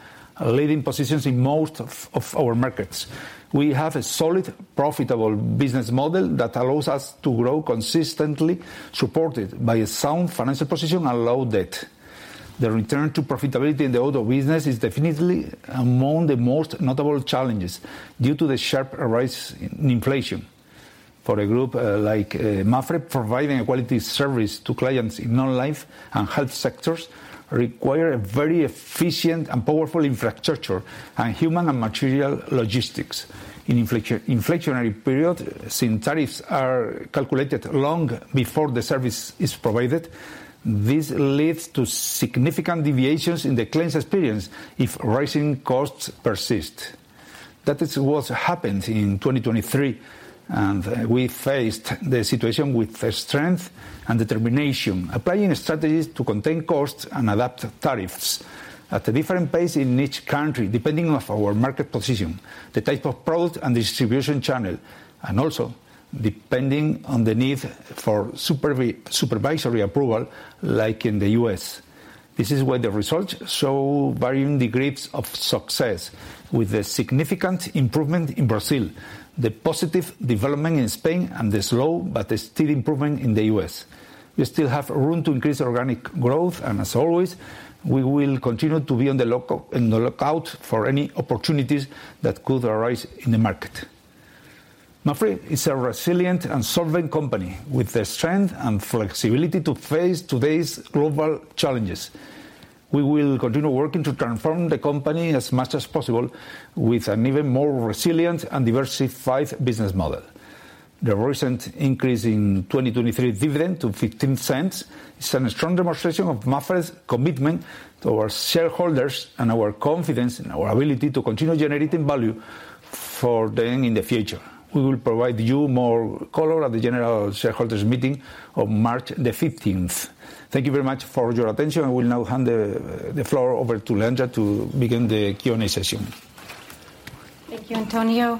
leading positions in most of our markets. We have a solid, profitable business model that allows us to grow consistently, supported by a sound financial position and low debt. The return to profitability in the auto business is definitely among the most notable challenges due to the sharp rise in inflation. For a group like MAPFRE, providing a quality service to clients in non-life and health sectors requires very efficient and powerful infrastructure and human and material logistics. In an inflationary period, since tariffs are calculated long before the service is provided, this leads to significant deviations in the claims experience if rising costs persist. That is what happened in 2023, and we faced the situation with strength and determination, applying strategies to contain costs and adapt tariffs at a different pace in each country, depending on our market position, the type of product and distribution channel, and also depending on the need for supervisory approval, like in the U.S. This is why the results show varying degrees of success, with a significant improvement in Brazil, the positive development in Spain, and the slow but still improvement in the U.S. We still have room to increase organic growth, and as always, we will continue to be on the lookout for any opportunities that could arise in the market. MAPFRE is a resilient and solvent company, with the strength and flexibility to face today's global challenges. We will continue working to transform the company as much as possible with an even more resilient and diversified business model. The recent increase in 2023 dividend to 0.15 is a strong demonstration of MAPFRE's commitment to our shareholders and our confidence in our ability to continue generating value for them in the future. We will provide you more color at the general shareholders' meeting on March 15th. Thank you very much for your attention. I will now hand the floor over to Leandra to begin the Q&A. Thank you, Antonio.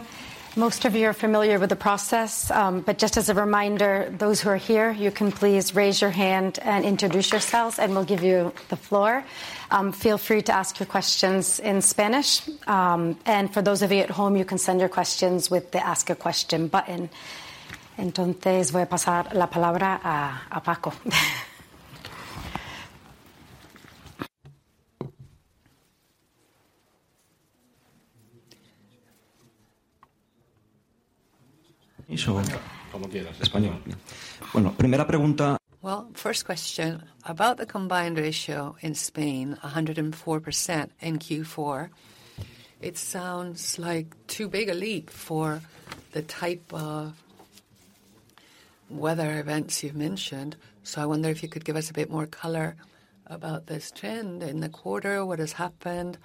Most of you are familiar with the process, but just as a reminder, those who are here, you can please raise your hand and introduce yourselves, and we'll give you the floor. Feel free to ask your questions in Spanish. For those of you at home, you can send your questions with the Ask a Question button. Entonces, voy a pasar la palabra a Paco. Sí, seguro. Como quieras, español. Bueno, primera pregunta. Well, first question. About the combined ratio in Spain, 104% in Q4, it sounds like too big a leap for the type of weather events you've mentioned. So I wonder if you could give us a bit more color about this trend in the quarter, what has happened,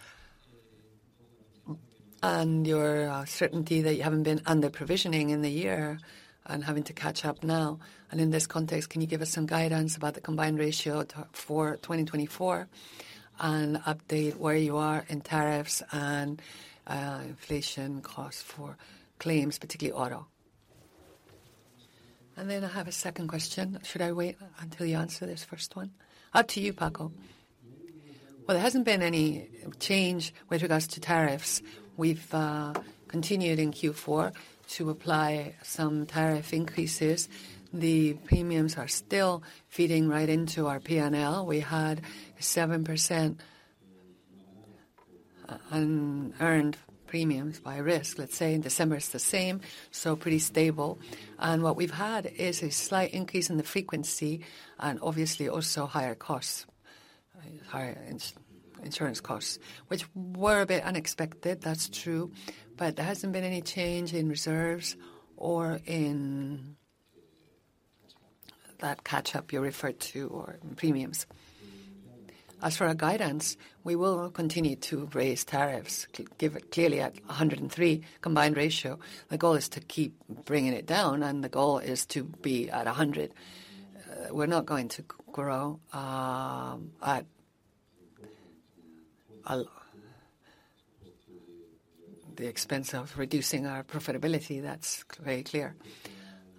and your certainty that you haven't been under provisioning in the year and having to catch up now. And in this context, can you give us some guidance about the combined ratio for 2024 and update where you are in tariffs and inflation costs for claims, particularly auto? And then I have a second question. Should I wait until you answer this first one? Up to you, Paco. Well, there hasn't been any change with regards to tariffs. We've continued in Q4 to apply some tariff increases. The premiums are still feeding right into our P&L. We had 7% unearned premiums by risk. Let's say in December it's the same, so pretty stable. And what we've had is a slight increase in the frequency and obviously also higher insurance costs, which were a bit unexpected. That's true. But there hasn't been any change in reserves or in that catch-up you referred to or premiums. As for our guidance, we will continue to raise tariffs, clearly at 103 combined ratio. The goal is to keep bringing it down, and the goal is to be at 100. We're not going to grow at the expense of reducing our profitability. That's very clear.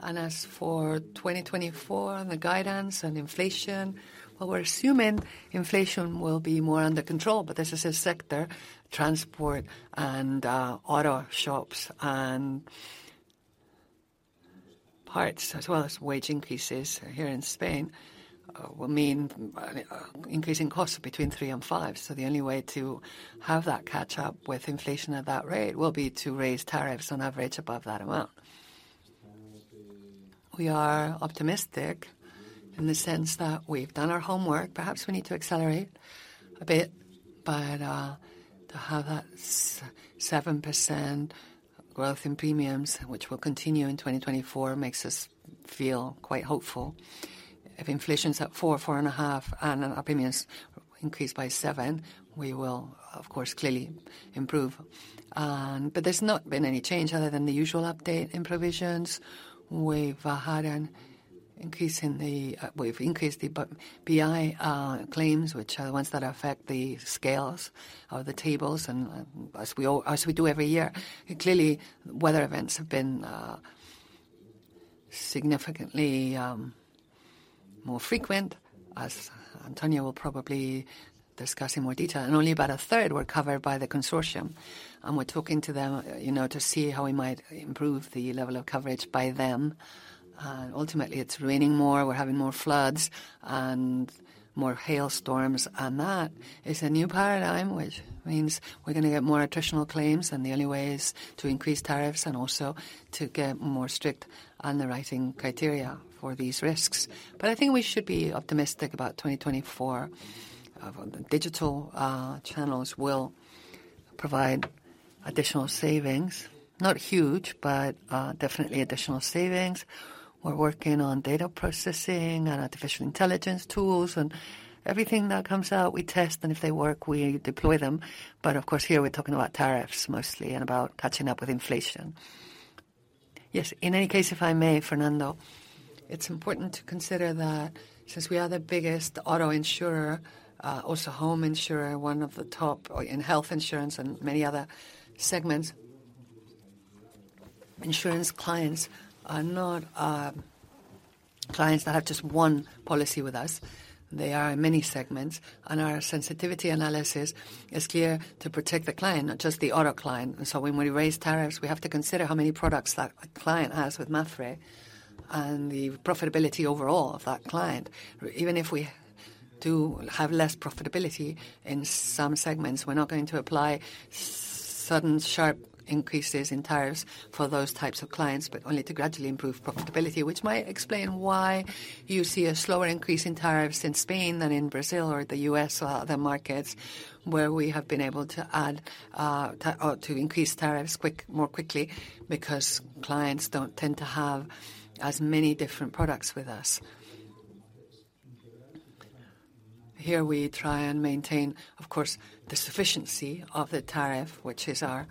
As for 2024 and the guidance and inflation, well, we're assuming inflation will be more under control, but this is a sector. Transport and auto shops and parts, as well as wage increases here in Spain, will mean increasing costs 3%-5%. So the only way to have that catch-up with inflation at that rate will be to raise tariffs on average above that amount. We are optimistic in the sense that we've done our homework. Perhaps we need to accelerate a bit, but to have that 7% growth in premiums, which will continue in 2024, makes us feel quite hopeful. If inflation's at 4%-4.5%, and our premiums increase by 7%, we will, of course, clearly improve. But there's not been any change other than the usual update in provisions. We've increased the BI claims, which are the ones that affect the scales of the tables, as we do every year. Clearly, weather events have been significantly more frequent, as Antonio will probably discuss in more detail. And only about a third were covered by the Consortium, and we're talking to them to see how we might improve the level of coverage by them. Ultimately, it's raining more. We're having more floods and more hailstorms, and that is a new paradigm, which means we're going to get more attritional claims, and the only way is to increase tariffs and also to get more strict underwriting criteria for these risks. But I think we should be optimistic about 2024. Digital channels will provide additional savings. Not huge, but definitely additional savings. We're working on data processing and artificial intelligence tools, and everything that comes out, we test, and if they work, we deploy them. But of course, here we're talking about tariffs mostly and about catching up with inflation. Yes, in any case, if I may, Fernando, it's important to consider that since we are the biggest auto insurer, also home insurer, one of the top in health insurance and many other segments, insurance clients are not clients that have just one policy with us. They are in many segments, and our sensitivity analysis is clear to protect the client, not just the auto client. And so when we raise tariffs, we have to consider how many products that client has with MAPFRE and the profitability overall of that client. Even if we do have less profitability in some segments, we're not going to apply sudden, sharp increases in tariffs for those types of clients, but only to gradually improve profitability, which might explain why you see a slower increase in tariffs in Spain than in Brazil or the U.S. or other markets, where we have been able to increase tariffs more quickly because clients don't tend to have as many different products with us. Here we try and maintain, of course, the sufficiency of the tariff, which is our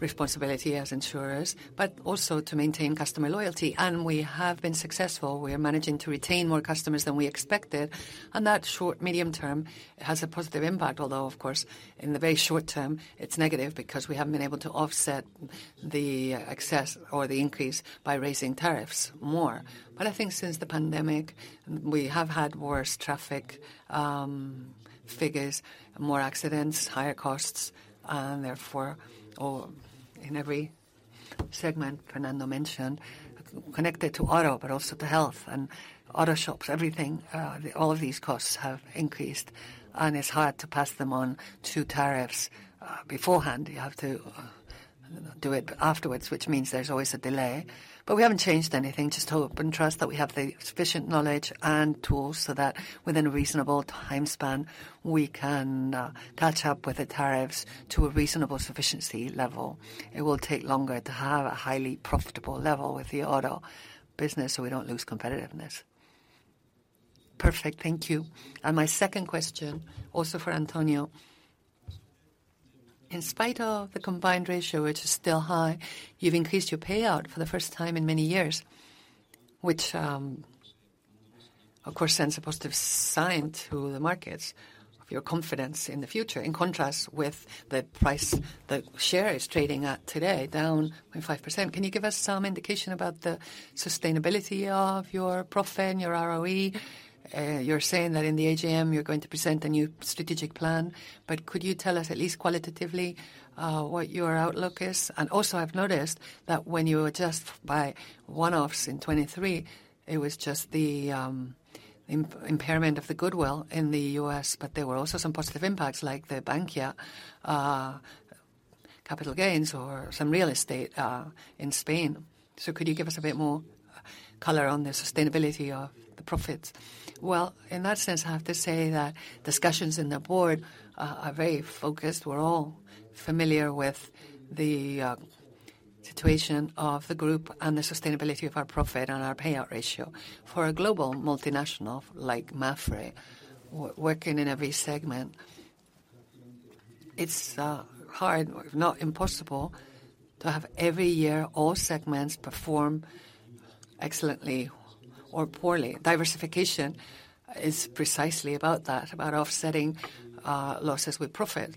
responsibility as insurers, but also to maintain customer loyalty. We have been successful. We are managing to retain more customers than we expected, and that short, medium term has a positive impact, although, of course, in the very short term, it's negative because we haven't been able to offset the excess or the increase by raising tariffs more. But I think since the pandemic, we have had worse traffic figures, more accidents, higher costs, and therefore, in every segment Fernando mentioned, connected to auto but also to health and auto shops, everything, all of these costs have increased, and it's hard to pass them on to tariffs beforehand. You have to do it afterwards, which means there's always a delay. But we haven't changed anything, just hope and trust that we have the sufficient knowledge and tools so that within a reasonable time span, we can catch up with the tariffs to a reasonable sufficiency level. It will take longer to have a highly profitable level with the auto business so we don't lose competitiveness. Perfect. Thank you. And my second question, also for Antonio. In spite of the combined ratio, which is still high, you've increased your payout for the first time in many years, which, of course, sends a positive sign to the markets of your confidence in the future, in contrast with the share it's trading at today, down by 5%. Can you give us some indication about the sustainability of your profit and your ROE? You're saying that in the AGM, you're going to present a new strategic plan, but could you tell us at least qualitatively what your outlook is? And also, I've noticed that when you adjust by one-offs in 2023, it was just the impairment of the goodwill in the U.S., but there were also some positive impacts, like the Bankia capital gains or some real estate in Spain. So could you give us a bit more color on the sustainability of the profits? Well, in that sense, I have to say that discussions in the board are very focused. We're all familiar with the situation of the group and the sustainability of our profit and our payout ratio. For a global multinational like MAPFRE, working in every segment, it's hard, if not impossible, to have every year all segments perform excellently or poorly. Diversification is precisely about that, about offsetting losses with profit.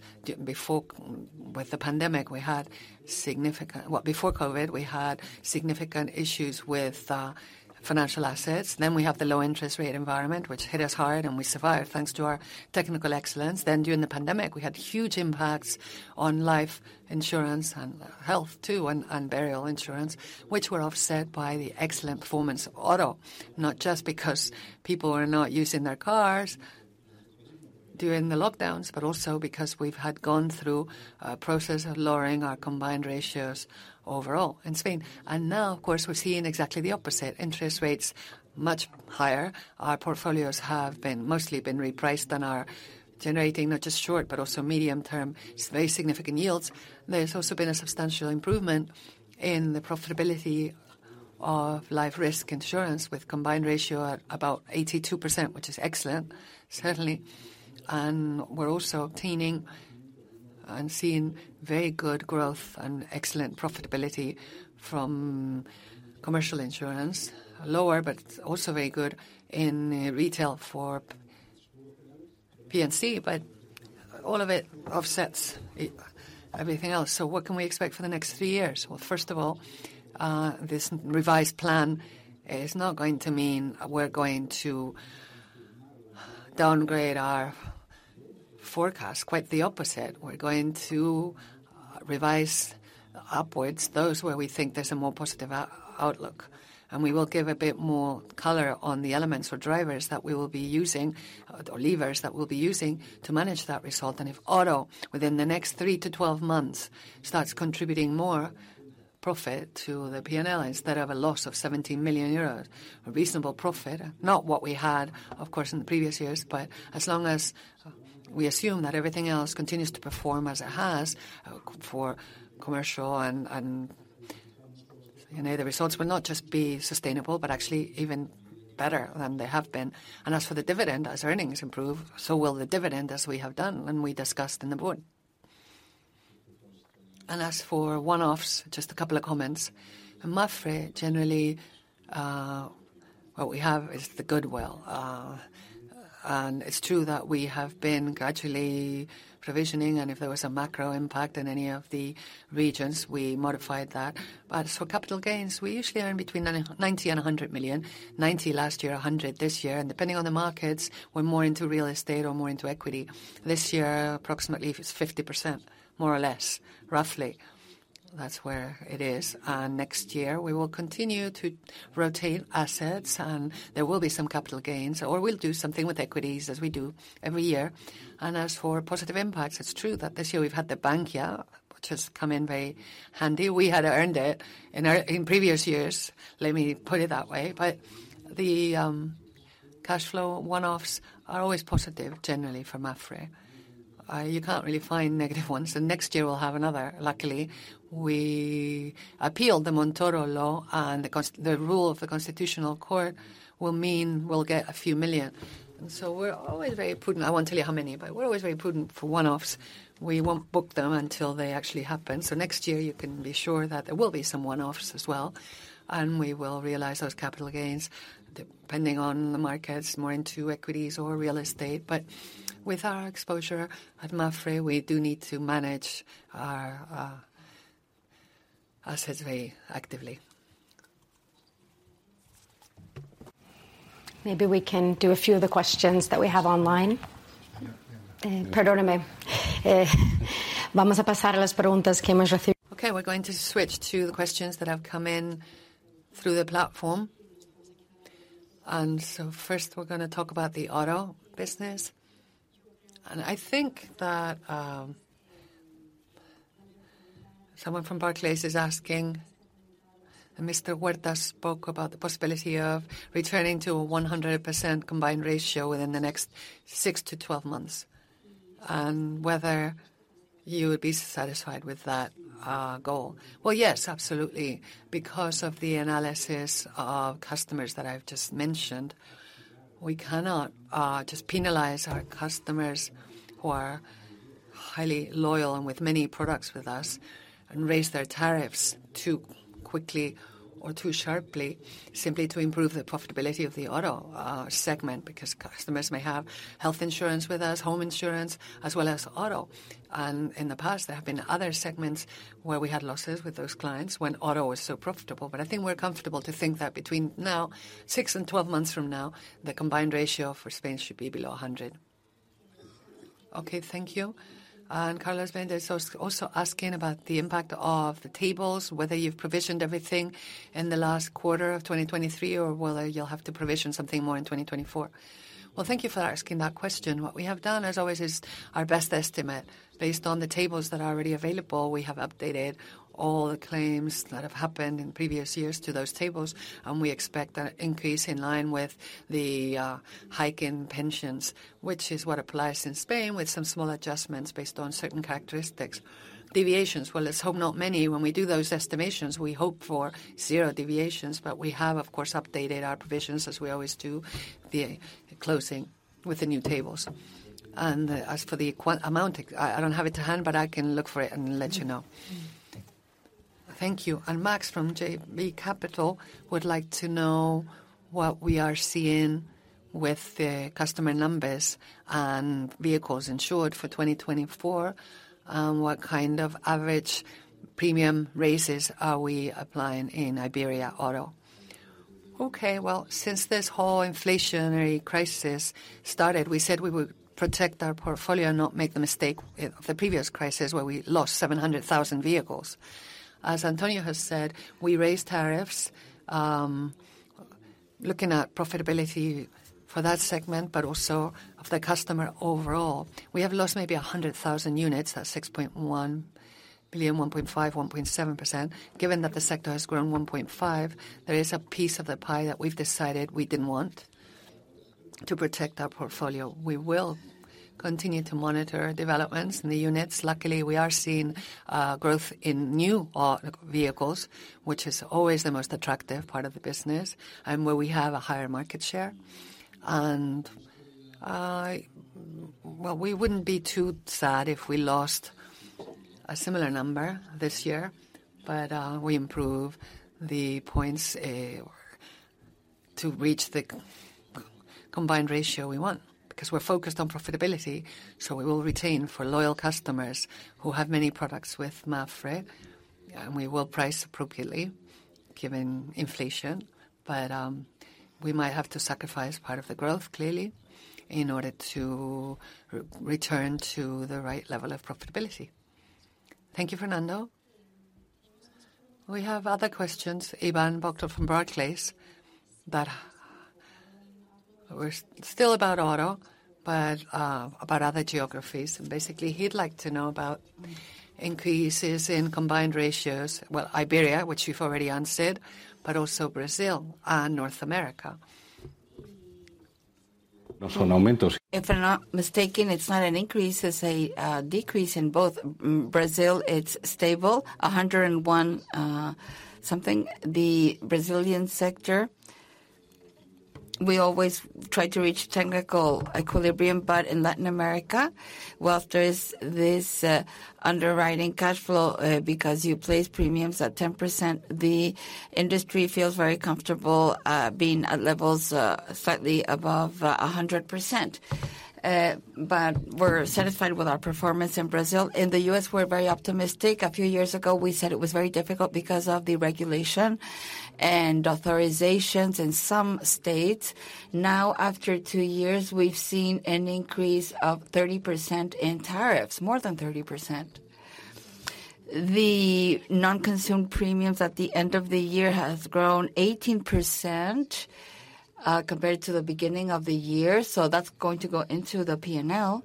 With the pandemic, we had significant well, before COVID, we had significant issues with financial assets. Then we have the low-interest rate environment, which hit us hard, and we survived thanks to our technical excellence. Then during the pandemic, we had huge impacts on life insurance and health too and burial insurance, which were offset by the excellent performance of auto, not just because people are not using their cars during the lockdowns, but also because we've had gone through a process of lowering our combined ratios overall in Spain. And now, of course, we're seeing exactly the opposite: interest rates much higher. Our portfolios have mostly been repriced and are generating not just short but also medium-term, very significant yields. There's also been a substantial improvement in the profitability of life risk insurance, with a combined ratio at about 82%, which is excellent, certainly. And we're also obtaining and seeing very good growth and excellent profitability from commercial insurance, lower but also very good in retail for P&C, but all of it offsets everything else. So what can we expect for the next three years? Well, first of all, this revised plan is not going to mean we're going to downgrade our forecast, quite the opposite. We're going to revise upwards those where we think there's a more positive outlook, and we will give a bit more color on the elements or drivers that we will be using or levers that we'll be using to manage that result. And if auto, within the next 3-12 months, starts contributing more profit to the P&L instead of a loss of 17 million euros, a reasonable profit, not what we had, of course, in the previous years, but as long as we assume that everything else continues to perform as it has for commercial and the results will not just be sustainable but actually even better than they have been. As for the dividend, as earnings improve, so will the dividend, as we have done and we discussed in the board. As for one-offs, just a couple of comments. MAPFRE, generally, what we have is the goodwill, and it's true that we have been gradually provisioning, and if there was a macro impact in any of the regions, we modified that. But as for capital gains, we usually earn between 90 million and 100 million, 90 million last year, 100 million this year, and depending on the markets, we're more into real estate or more into equity. This year, approximately, it's 50%, more or less, roughly. That's where it is. And next year, we will continue to rotate assets, and there will be some capital gains, or we'll do something with equities as we do every year. As for positive impacts, it's true that this year we've had the Bankia, which has come in very handy. We had earned it in previous years, let me put it that way. But the cash flow one-offs are always positive, generally, for MAPFRE. You can't really find negative ones. And next year, we'll have another. Luckily, we appealed the Montoro Law, and the rule of the Constitutional Court will mean we'll get EUR a few million. And so we're always very prudent. I won't tell you how many, but we're always very prudent for one-offs. We won't book them until they actually happen. So next year, you can be sure that there will be some one-offs as well, and we will realize those capital gains depending on the markets, more into equities or real estate. But with our exposure at MAPFRE, we do need to manage our assets very actively. Maybe we can do a few of the questions that we have online. Okay, we're going to switch to the questions that have come in through the platform. So first, we're going to talk about the auto business. I think that someone from Barclays is asking, and Mr. Huertas spoke about the possibility of returning to a 100% combined ratio within the next 6-12 months, and whether you would be satisfied with that goal. Well, yes, absolutely. Because of the analysis of customers that I've just mentioned, we cannot just penalize our customers who are highly loyal and with many products with us and raise their tariffs too quickly or too sharply, simply to improve the profitability of the auto segment, because customers may have health insurance with us, home insurance, as well as auto. In the past, there have been other segments where we had losses with those clients when auto was so profitable. I think we're comfortable to think that between now, six and 12 months from now, the combined ratio for Spain should be below 100%. Okay, thank you. Carlos Verde is also asking about the impact of the tables, whether you've provisioned everything in the last quarter of 2023 or whether you'll have to provision something more in 2024. Well, thank you for asking that question. What we have done, as always, is our best estimate. Based on the tables that are already available, we have updated all the claims that have happened in previous years to those tables, and we expect an increase in line with the hike in pensions, which is what applies in Spain, with some small adjustments based on certain characteristics. Deviations, well, let's hope not many. When we do those estimations, we hope for zero deviations, but we have, of course, updated our provisions, as we always do, the closing with the new tables. As for the amount, I don't have it to hand, but I can look for it and let you know. Thank you. Max from JB Capital would like to know what we are seeing with the customer numbers and vehicles insured for 2024, and what kind of average premium raises are we applying in Iberia Auto. Okay, well, since this whole inflationary crisis started, we said we would protect our portfolio and not make the mistake of the previous crisis where we lost 700,000 vehicles. As Antonio has said, we raised tariffs looking at profitability for that segment but also of the customer overall. We have lost maybe 100,000 units, that's 6.1 billion, 1.5%-1.7%. Given that the sector has grown 1.5%, there is a piece of the pie that we've decided we didn't want to protect our portfolio. We will continue to monitor developments in the units. Luckily, we are seeing growth in new vehicles, which is always the most attractive part of the business and where we have a higher market share. Well, we wouldn't be too sad if we lost a similar number this year, but we improve the points to reach the combined ratio we want because we're focused on profitability. So we will retain for loyal customers who have many products with MAPFRE, and we will price appropriately given inflation, but we might have to sacrifice part of the growth, clearly, in order to return to the right level of profitability. Thank you, Fernando. We have other questions. Ivan Bokhmat from Barclays, that were still about auto but about other geographies. And basically, he'd like to know about increases in combined ratios, well, Iberia, which you've already answered, but also Brazil and North America. If I'm not mistaken, it's not an increase, it's a decrease in both. Brazil, it's stable, 101-something. The Brazilian sector, we always try to reach technical equilibrium, but in Latin America, well, if there is this underwriting cash flow because you place premiums at 10%, the industry feels very comfortable being at levels slightly above 100%. But we're satisfied with our performance in Brazil. In the U.S., we're very optimistic. A few years ago, we said it was very difficult because of the regulation and authorizations in some states. Now, after two years, we've seen an increase of 30% in tariffs, more than 30%. The non-consumed premiums at the end of the year have grown 18% compared to the beginning of the year, so that's going to go into the P&L.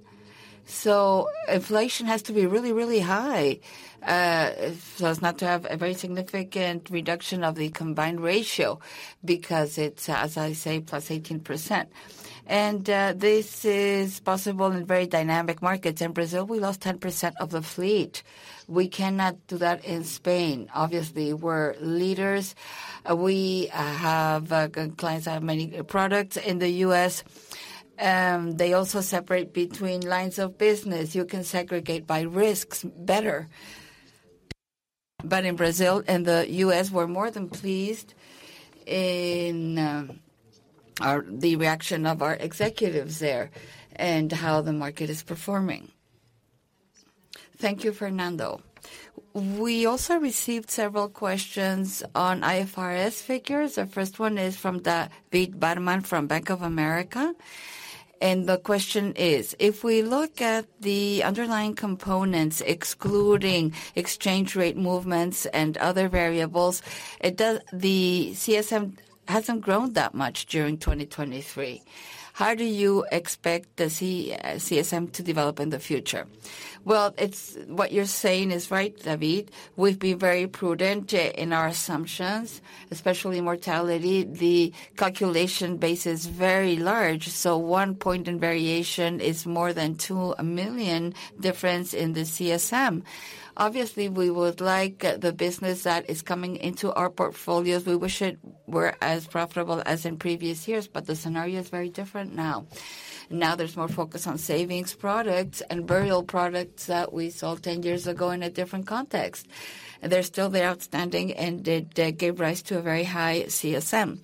So inflation has to be really, really high so as not to have a very significant reduction of the combined ratio because it's, as I say, +18%. And this is possible in very dynamic markets. In Brazil, we lost 10% of the fleet. We cannot do that in Spain. Obviously, we're leaders. We have clients that have many products in the U.S. They also separate between lines of business. You can segregate by risks better. But in Brazil and the U.S., we're more than pleased in the reaction of our executives there and how the market is performing. Thank you, Fernando. We also received several questions on IFRS figures. The first one is from David Barma from Bank of America. And the question is, if we look at the underlying components, excluding exchange rate movements and other variables, the CSM hasn't grown that much during 2023. How do you expect the CSM to develop in the future? Well, what you're saying is right, David. We've been very prudent in our assumptions, especially mortality. The calculation base is very large, so one point in variation is more than 2 million difference in the CSM. Obviously, we would like the business that is coming into our portfolios. We wish it were as profitable as in previous years, but the scenario is very different now. Now there's more focus on savings products and burial products that we saw 10 years ago in a different context. They're still there outstanding and gave rise to a very high CSM.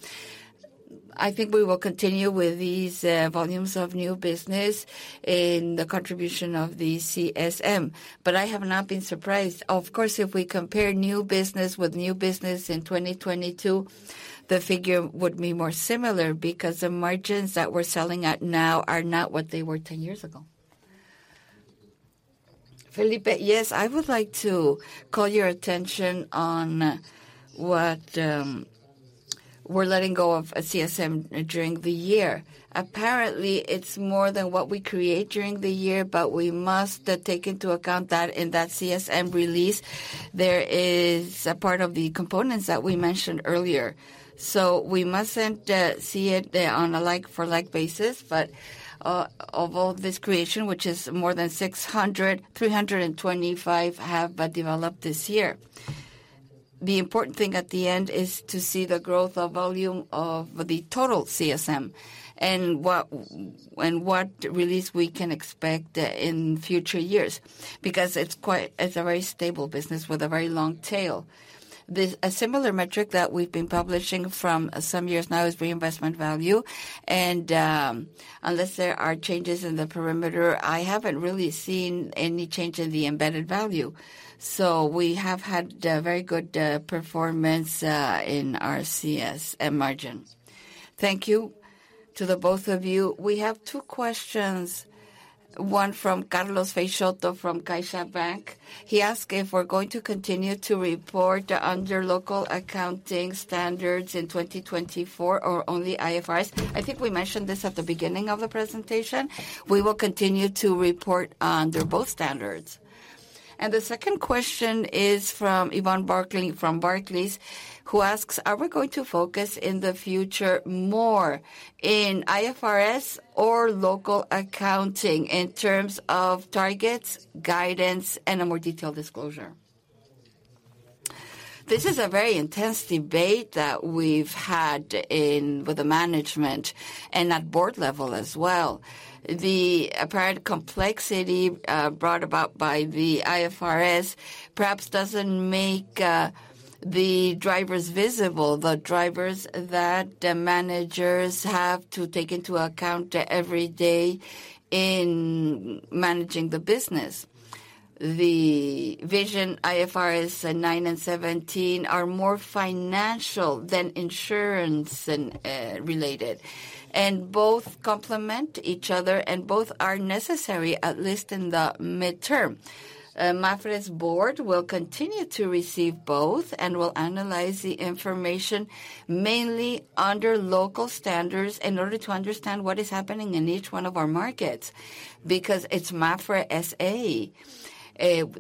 I think we will continue with these volumes of new business in the contribution of the CSM, but I have not been surprised. Of course, if we compare new business with new business in 2022, the figure would be more similar because the margins that we're selling at now are not what they were 10 years ago. Felipe, yes, I would like to call your attention on what we're letting go of a CSM during the year. Apparently, it's more than what we create during the year, but we must take into account that in that CSM release, there is a part of the components that we mentioned earlier. So we mustn't see it on a like-for-like basis. But of all this creation, which is more than 600, 325 have developed this year. The important thing at the end is to see the growth of volume of the total CSM and what release we can expect in future years because it's a very stable business with a very long tail. A similar metric that we've been publishing from some years now is reinvestment value. Unless there are changes in the perimeter, I haven't really seen any change in the embedded value. We have had very good performance in our CSM margins. Thank you to both of you. We have two questions. One from Carlos Peixoto from CaixaBank. He asks if we're going to continue to report under local accounting standards in 2024 or only IFRS. I think we mentioned this at the beginning of the presentation. We will continue to report under both standards. The second question is from Ivan Bokhmat from Barclays, who asks, are we going to focus in the future more in IFRS or local accounting in terms of targets, guidance, and a more detailed disclosure? This is a very intense debate that we've had with the management and at board level as well. The apparent complexity brought about by the IFRS perhaps doesn't make the drivers visible, the drivers that managers have to take into account every day in managing the business. The vision, IFRS 9 and 17, are more financial than insurance-related and both complement each other and both are necessary, at least in the midterm. MAPFRE's board will continue to receive both and will analyze the information mainly under local standards in order to understand what is happening in each one of our markets because it's MAPFRE S.A.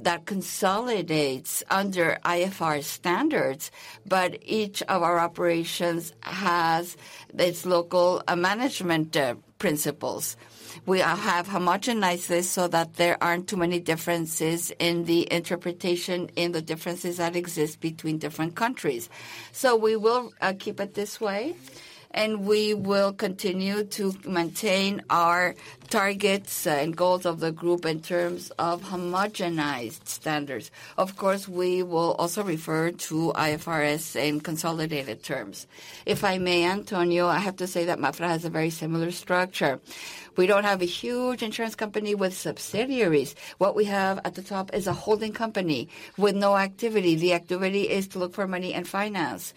that consolidates under IFRS standards, but each of our operations has its local management principles. We have homogenized this so that there aren't too many differences in the interpretation in the differences that exist between different countries. So we will keep it this way, and we will continue to maintain our targets and goals of the group in terms of homogenized standards. Of course, we will also refer to IFRS in consolidated terms. If I may, Antonio, I have to say that MAPFRE has a very similar structure. We don't have a huge insurance company with subsidiaries. What we have at the top is a holding company with no activity. The activity is to look for money and finance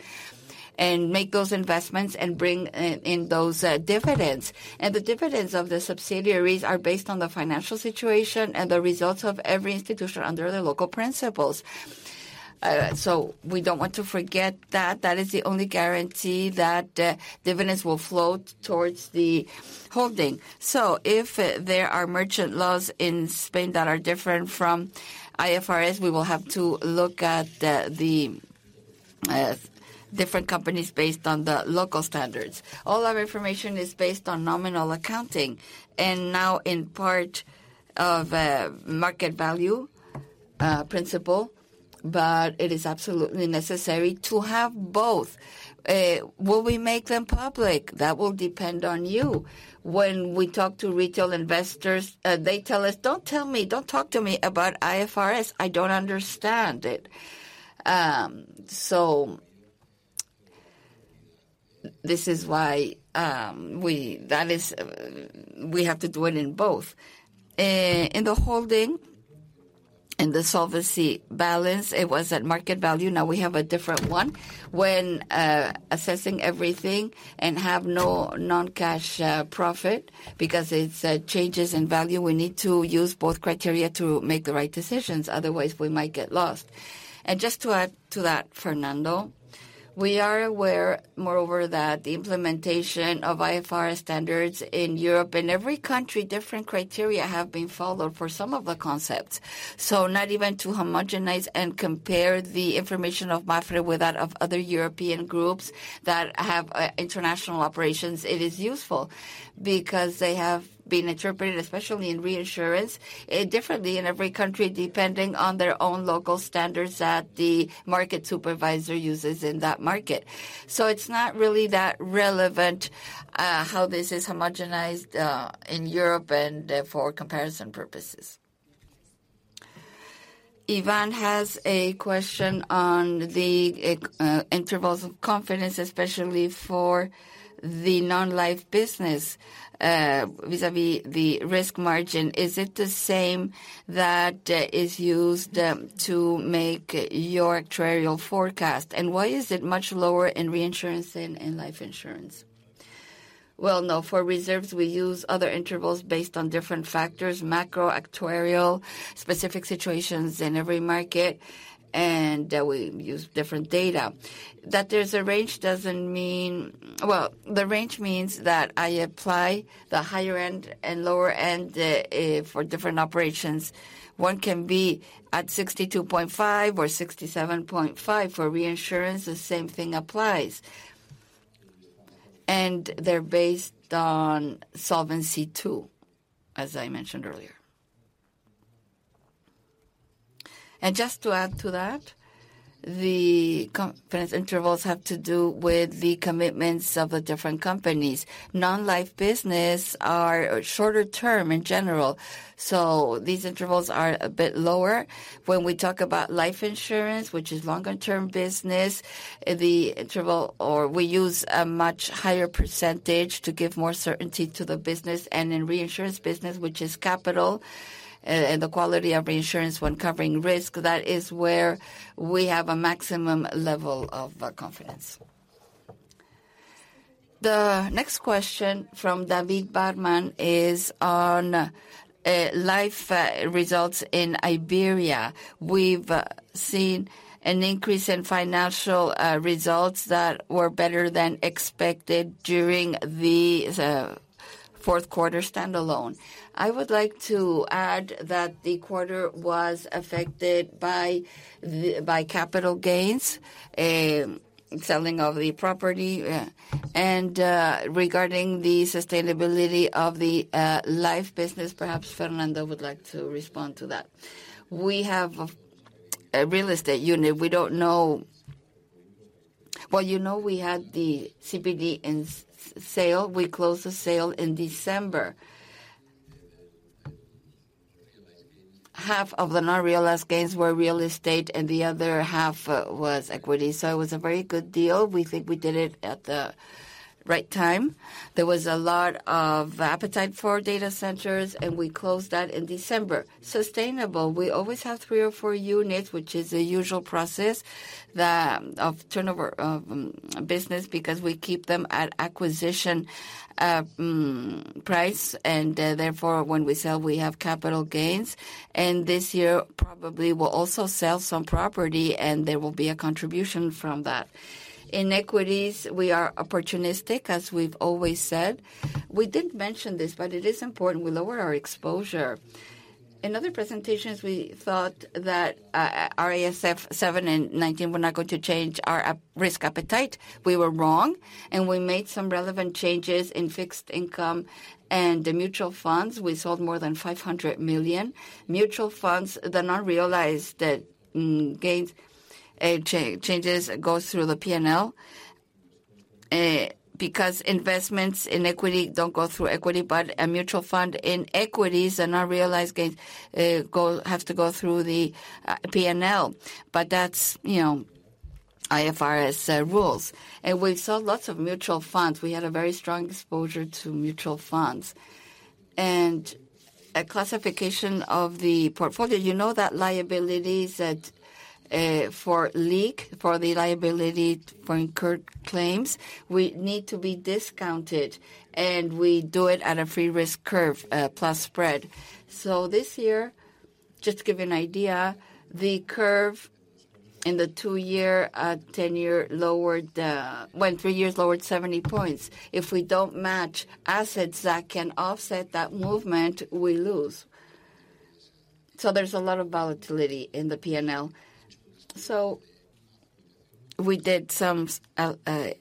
and make those investments and bring in those dividends. And the dividends of the subsidiaries are based on the financial situation and the results of every institution under the local principles. So we don't want to forget that. That is the only guarantee that dividends will flow towards the holding. So if there are mercantile laws in Spain that are different from IFRS, we will have to look at the different companies based on the local standards. All our information is based on nominal accounting and now in part of market value principle, but it is absolutely necessary to have both. Will we make them public? That will depend on you. When we talk to retail investors, they tell us, "Don't tell me, don't talk to me about IFRS. I don't understand it." So this is why we have to do it in both. In the holding, in the solvency balance, it was at market value. Now we have a different one. When assessing everything and have no non-cash profit because it's changes in value, we need to use both criteria to make the right decisions. Otherwise, we might get lost. And just to add to that, Fernando, we are aware, moreover, that the implementation of IFRS standards in Europe, in every country, different criteria have been followed for some of the concepts. So not even to homogenize and compare the information of MAPFRE with that of other European groups that have international operations, it is useful because they have been interpreted, especially in reinsurance, differently in every country depending on their own local standards that the market supervisor uses in that market. So it's not really that relevant how this is homogenized in Europe and for comparison purposes. Ivan has a question on the intervals of confidence, especially for the non-life business vis-à-vis the risk margin. Is it the same that is used to make your actuarial forecast? And why is it much lower in reinsurance than in life insurance? Well, no. For reserves, we use other intervals based on different factors, macro, actuarial, specific situations in every market, and we use different data. That there's a range doesn't mean well, the range means that I apply the higher end and lower end for different operations. One can be at 62.5 or 67.5 for reinsurance. The same thing applies. And they're based on solvency too, as I mentioned earlier. And just to add to that, the confidence intervals have to do with the commitments of the different companies. Non-life business are shorter-term in general. So these intervals are a bit lower. When we talk about life insurance, which is longer-term business, the interval or we use a much higher percentage to give more certainty to the business. And in reinsurance business, which is capital and the quality of reinsurance when covering risk, that is where we have a maximum level of confidence. The next question from David Barma is on life results in Iberia. We've seen an increase in financial results that were better than expected during the fourth quarter standalone. I would like to add that the quarter was affected by capital gains, selling of the property, and regarding the sustainability of the life business. Perhaps Fernando would like to respond to that. We have a real estate unit. We don't know well, you know we had the CPD in sale. We closed the sale in December. Half of the unrealized gains were real estate, and the other half was equity. So it was a very good deal. We think we did it at the right time. There was a lot of appetite for data centers, and we closed that in December. Sustainable. We always have three or four units, which is a usual process of turnover of business because we keep them at acquisition price. And therefore, when we sell, we have capital gains. And this year, probably, we'll also sell some property, and there will be a contribution from that. In equities, we are opportunistic, as we've always said. We didn't mention this, but it is important. We lower our exposure. In other presentations, we thought that IFRS 9 and 17 were not going to change our risk appetite. We were wrong. And we made some relevant changes in fixed income and the mutual funds. We sold more than 500 million. Mutual funds, the unrealized gains changes go through the P&L because investments in equity don't go through equity, but a mutual fund in equities, the unrealized gains have to go through the P&L. But that's IFRS rules. We saw lots of mutual funds. We had a very strong exposure to mutual funds. And a classification of the portfolio, you know that liabilities that for LIC, for the liability for incurred claims, we need to be discounted. And we do it at a risk-free curve plus spread. So this year, just to give you an idea, the curve in the 2-year, 10-year lowered well, 3 years lowered 70 points. If we don't match assets that can offset that movement, we lose. So there's a lot of volatility in the P&L. So we did an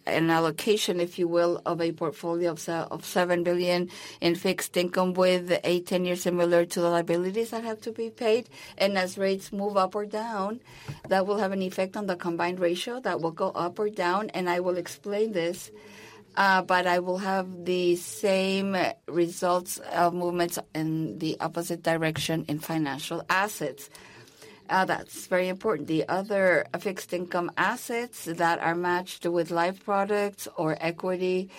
allocation, if you will, of a portfolio of 7 billion in fixed income with 8-10 years similar to the liabilities that have to be paid. And as rates move up or down, that will have an effect on the combined ratio. That will go up or down. And I will explain this, but I will have the same results of movements in the opposite direction in financial assets. That's very important. The other fixed income assets that are matched with life products or equity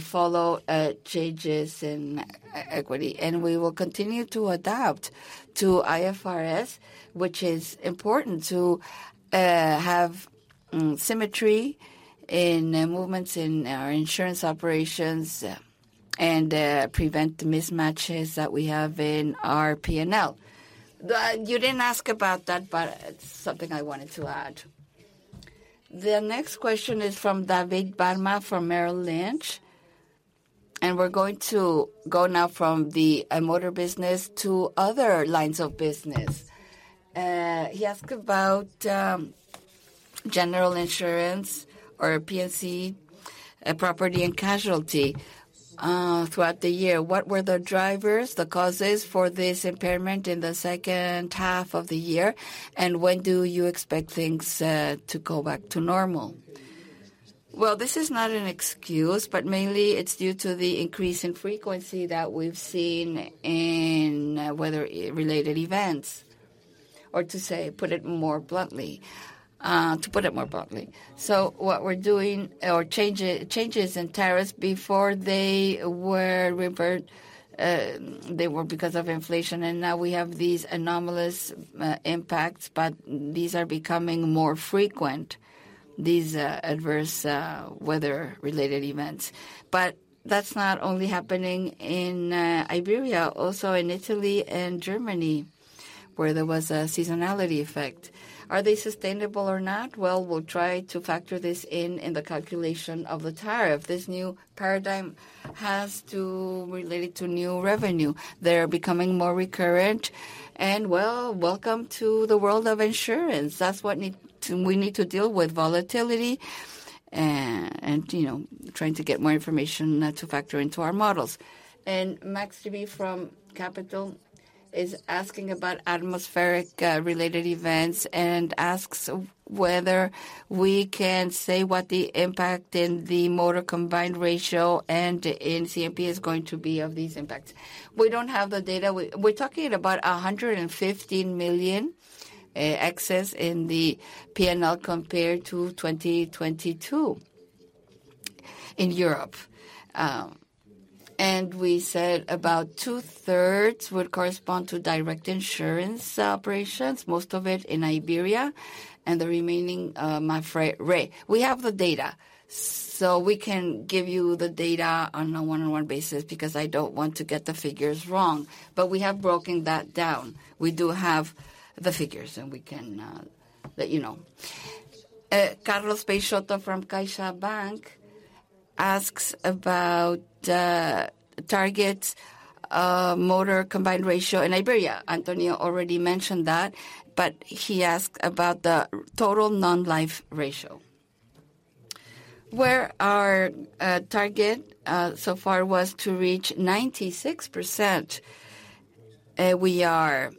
follow changes in equity. And we will continue to adapt to IFRS, which is important to have symmetry in movements in our insurance operations and prevent mismatches that we have in our P&L. You didn't ask about that, but it's something I wanted to add. The next question is from David Barma from Merrill Lynch. And we're going to go now from the motor business to other lines of business. He asked about general insurance or P&C, property and casualty throughout the year. What were the drivers, the causes for this impairment in the second half of the year? And when do you expect things to go back to normal? Well, this is not an excuse, but mainly, it's due to the increase in frequency that we've seen in weather-related events. Or to say, put it more bluntly. So what we're doing or changes in tariffs before they were reversed, they were because of inflation. And now we have these anomalous impacts, but these are becoming more frequent, these adverse weather-related events. But that's not only happening in Iberia, also in Italy and Germany, where there was a seasonality effect. Are they sustainable or not? Well, we'll try to factor this in the calculation of the tariff. This new paradigm has to relate to new revenue. They're becoming more recurrent. And well, welcome to the world of insurance. That's what we need to deal with, volatility, and trying to get more information to factor into our models. Max Mishyn from JB Capital is asking about atmospheric-related events and asks whether we can say what the impact in the motor combined ratio and in CMP is going to be of these impacts. We don't have the data. We're talking about 115 million excess in the P&L compared to 2022 in Europe. We said about two-thirds would correspond to direct insurance operations, most of it in Iberia, and the remaining MAPFRE RE. We have the data, so we can give you the data on a one-on-one basis because I don't want to get the figures wrong. We have broken that down. We do have the figures, and we can let you know. Carlos Peixoto from CaixaBank asks about target motor combined ratio in Iberia. Antonio already mentioned that, but he asked about the total non-life ratio. Where our target so far was to reach 96%, we are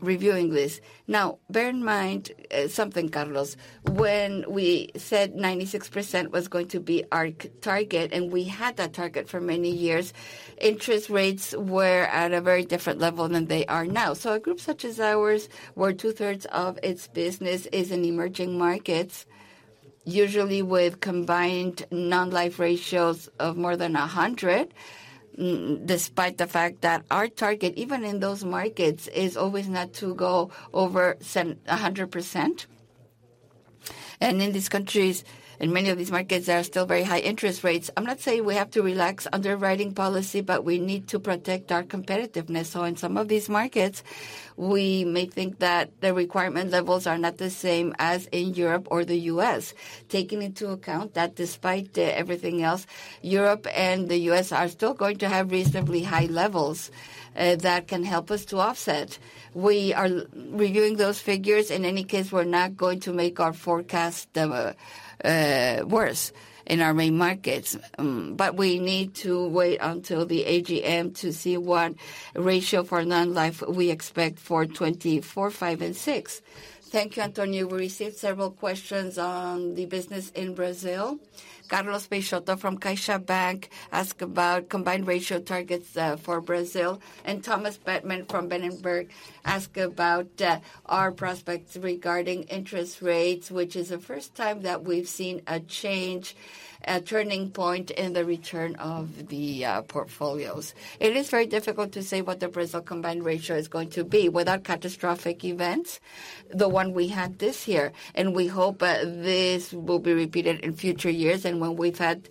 reviewing this. Now, bear in mind something, Carlos. When we said 96% was going to be our target, and we had that target for many years, interest rates were at a very different level than they are now. So a group such as ours, where two-thirds of its business is in emerging markets, usually with combined non-life ratios of more than 100%, despite the fact that our target, even in those markets, is always not to go over 100%. And in these countries, in many of these markets, there are still very high interest rates. I'm not saying we have to relax underwriting policy, but we need to protect our competitiveness. So in some of these markets, we may think that the requirement levels are not the same as in Europe or the U.S. Taking into account that despite everything else, Europe and the U.S. are still going to have reasonably high levels that can help us to offset. We are reviewing those figures. In any case, we're not going to make our forecast worse in our main markets. But we need to wait until the AGM to see what ratio for non-life we expect for 2024, 2025, and 2026. Thank you, Antonio. We received several questions on the business in Brazil. Carlos Peixoto from CaixaBank asked about combined ratio targets for Brazil. And Thomas Bateman from Berenberg asked about our prospects regarding interest rates, which is the first time that we've seen a change, a turning point in the return of the portfolios. It is very difficult to say what the Brazil combined ratio is going to be without catastrophic events, the one we had this year. We hope this will be repeated in future years. When we've had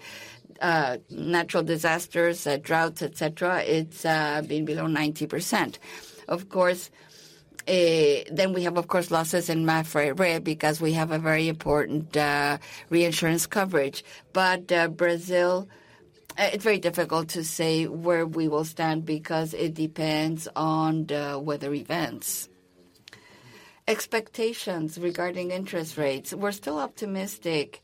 natural disasters, droughts, etc., it's been below 90%. Of course, then we have, of course, losses in MAPFRE RE because we have a very important reinsurance coverage. But Brazil, it's very difficult to say where we will stand because it depends on the weather events. Expectations regarding interest rates, we're still optimistic.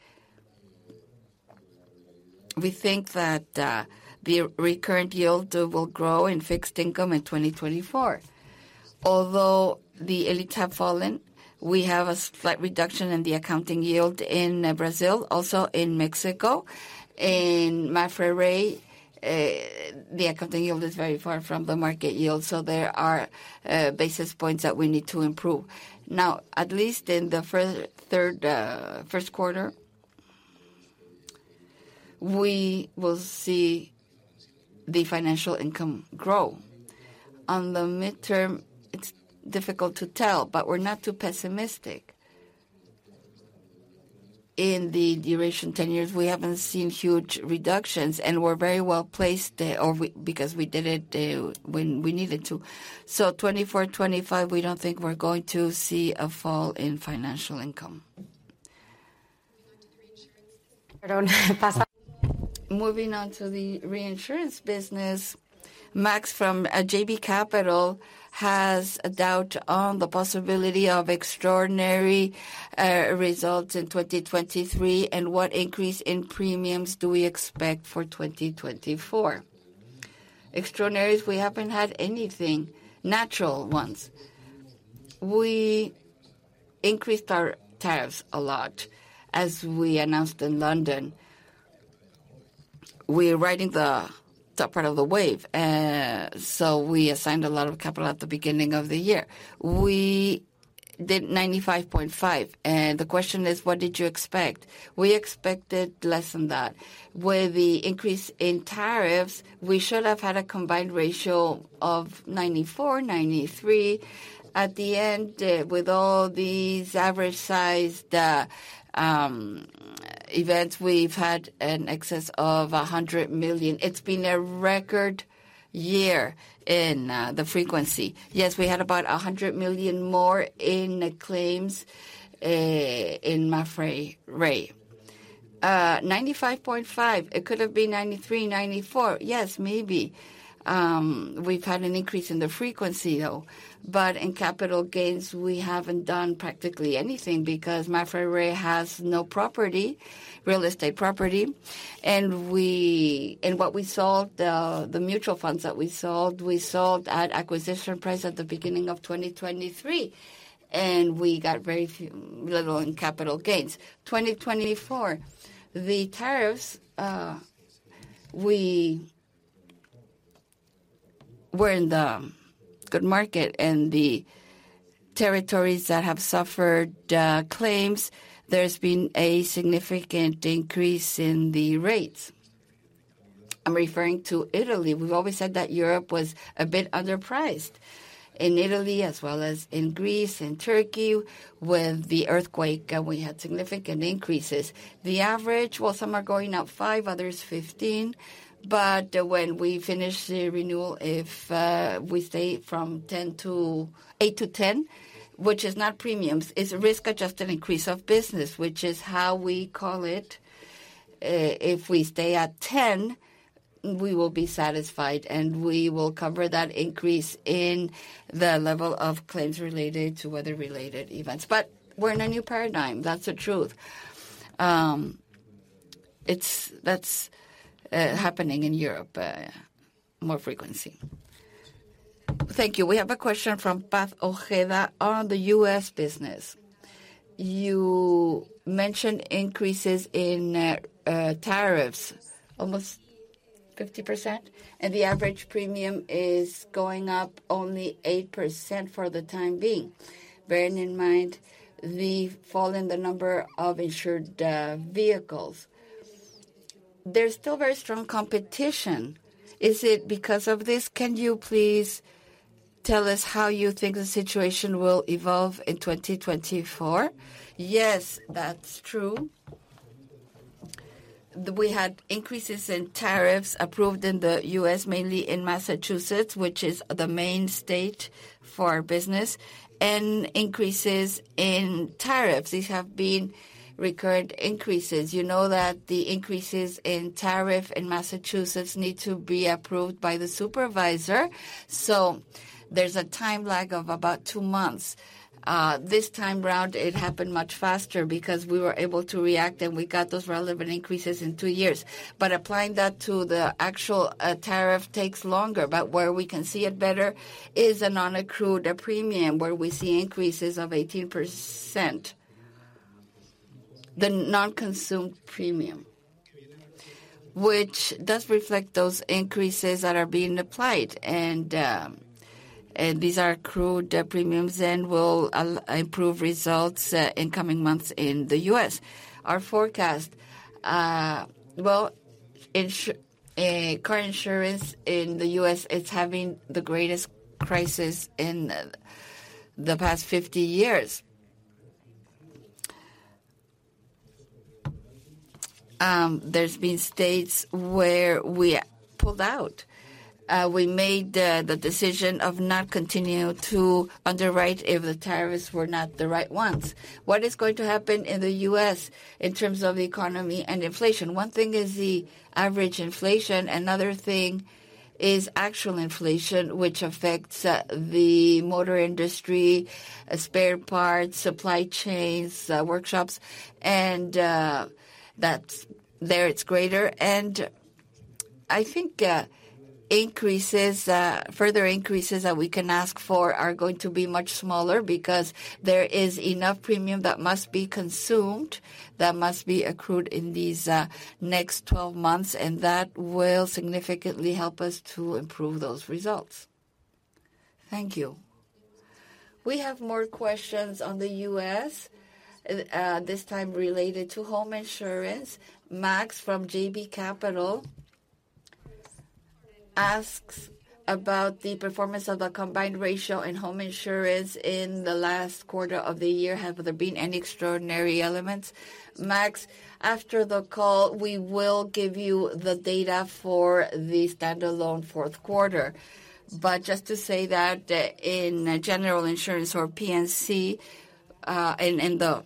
We think that the recurrent yield will grow in fixed income in 2024. Although the Selic have fallen, we have a slight reduction in the accounting yield in Brazil, also in Mexico. In MAPFRE RE, the accounting yield is very far from the market yield. So there are basis points that we need to improve. Now, at least in the first quarter, we will see the financial income grow. On the midterm, it's difficult to tell, but we're not too pessimistic. In the duration 10 years, we haven't seen huge reductions, and we're very well placed because we did it when we needed to. So 2024, 2025, we don't think we're going to see a fall in financial income. Moving on to the reinsurance business, Max from JB Capital has a doubt on the possibility of extraordinary results in 2023 and what increase in premiums do we expect for 2024. Extraordinaries, we haven't had anything, natural ones. We increased our tariffs a lot, as we announced in London. We're riding the top part of the wave, so we assigned a lot of capital at the beginning of the year. We did 95.5. And the question is, what did you expect? We expected less than that. With the increase in tariffs, we should have had a combined ratio of 94, 93. At the end, with all these average-sized events, we've had an excess of 100 million. It's been a record year in the frequency. Yes, we had about 100 million more in claims in MAPFRE RE. 95.5%, it could have been 93%, 94%. Yes, maybe. We've had an increase in the frequency, though. But in capital gains, we haven't done practically anything because MAPFRE RE has no property, real estate property. And what we sold, the mutual funds that we sold, we sold at acquisition price at the beginning of 2023, and we got very little in capital gains. 2024, the tariffs, we were in the good market. In the territories that have suffered claims, there's been a significant increase in the rates. I'm referring to Italy. We've always said that Europe was a bit underpriced. In Italy, as well as in Greece and Turkey, with the earthquake, we had significant increases. The average, well, some are going up 5, others 15. But when we finish the renewal, if we stay from 8-10, which is not premiums, it's a risk-adjusted increase of business, which is how we call it. If we stay at 10, we will be satisfied, and we will cover that increase in the level of claims related to weather-related events. But we're in a new paradigm. That's the truth. That's happening in Europe, more frequency. Thank you. We have a question from Paz Ojeda on the U.S. business. You mentioned increases in tariffs, almost 50%, and the average premium is going up only 8% for the time being. Bearing in mind the fall in the number of insured vehicles, there's still very strong competition. Is it because of this? Can you please tell us how you think the situation will evolve in 2024? Yes, that's true. We had increases in tariffs approved in the U.S., mainly in Massachusetts, which is the main state for our business, and increases in tariffs. These have been recurrent increases. You know that the increases in tariff in Massachusetts need to be approved by the supervisor. So there's a time lag of about 2 months. This time round, it happened much faster because we were able to react, and we got those relevant increases in 2 years. But applying that to the actual tariff takes longer. But where we can see it better is a non-accrued premium where we see increases of 18%, the non-consumed premium, which does reflect those increases that are being applied. And these are accrued premiums and will improve results in coming months in the U.S. Our forecast, well, car insurance in the U.S., it's having the greatest crisis in the past 50 years. There's been states where we pulled out. We made the decision of not continuing to underwrite if the tariffs were not the right ones. What is going to happen in the U.S. in terms of the economy and inflation? One thing is the average inflation. Another thing is actual inflation, which affects the motor industry, spare parts, supply chains, workshops. And there, it's greater. And I think further increases that we can ask for are going to be much smaller because there is enough premium that must be consumed, that must be accrued in these next 12 months, and that will significantly help us to improve those results. Thank you. We have more questions on the U.S., this time related to home insurance. Max from JB Capital asks about the performance of the combined ratio in home insurance in the last quarter of the year. Have there been any extraordinary elements? Max, after the call, we will give you the data for the standalone fourth quarter. But just to say that in general insurance or P&C, in the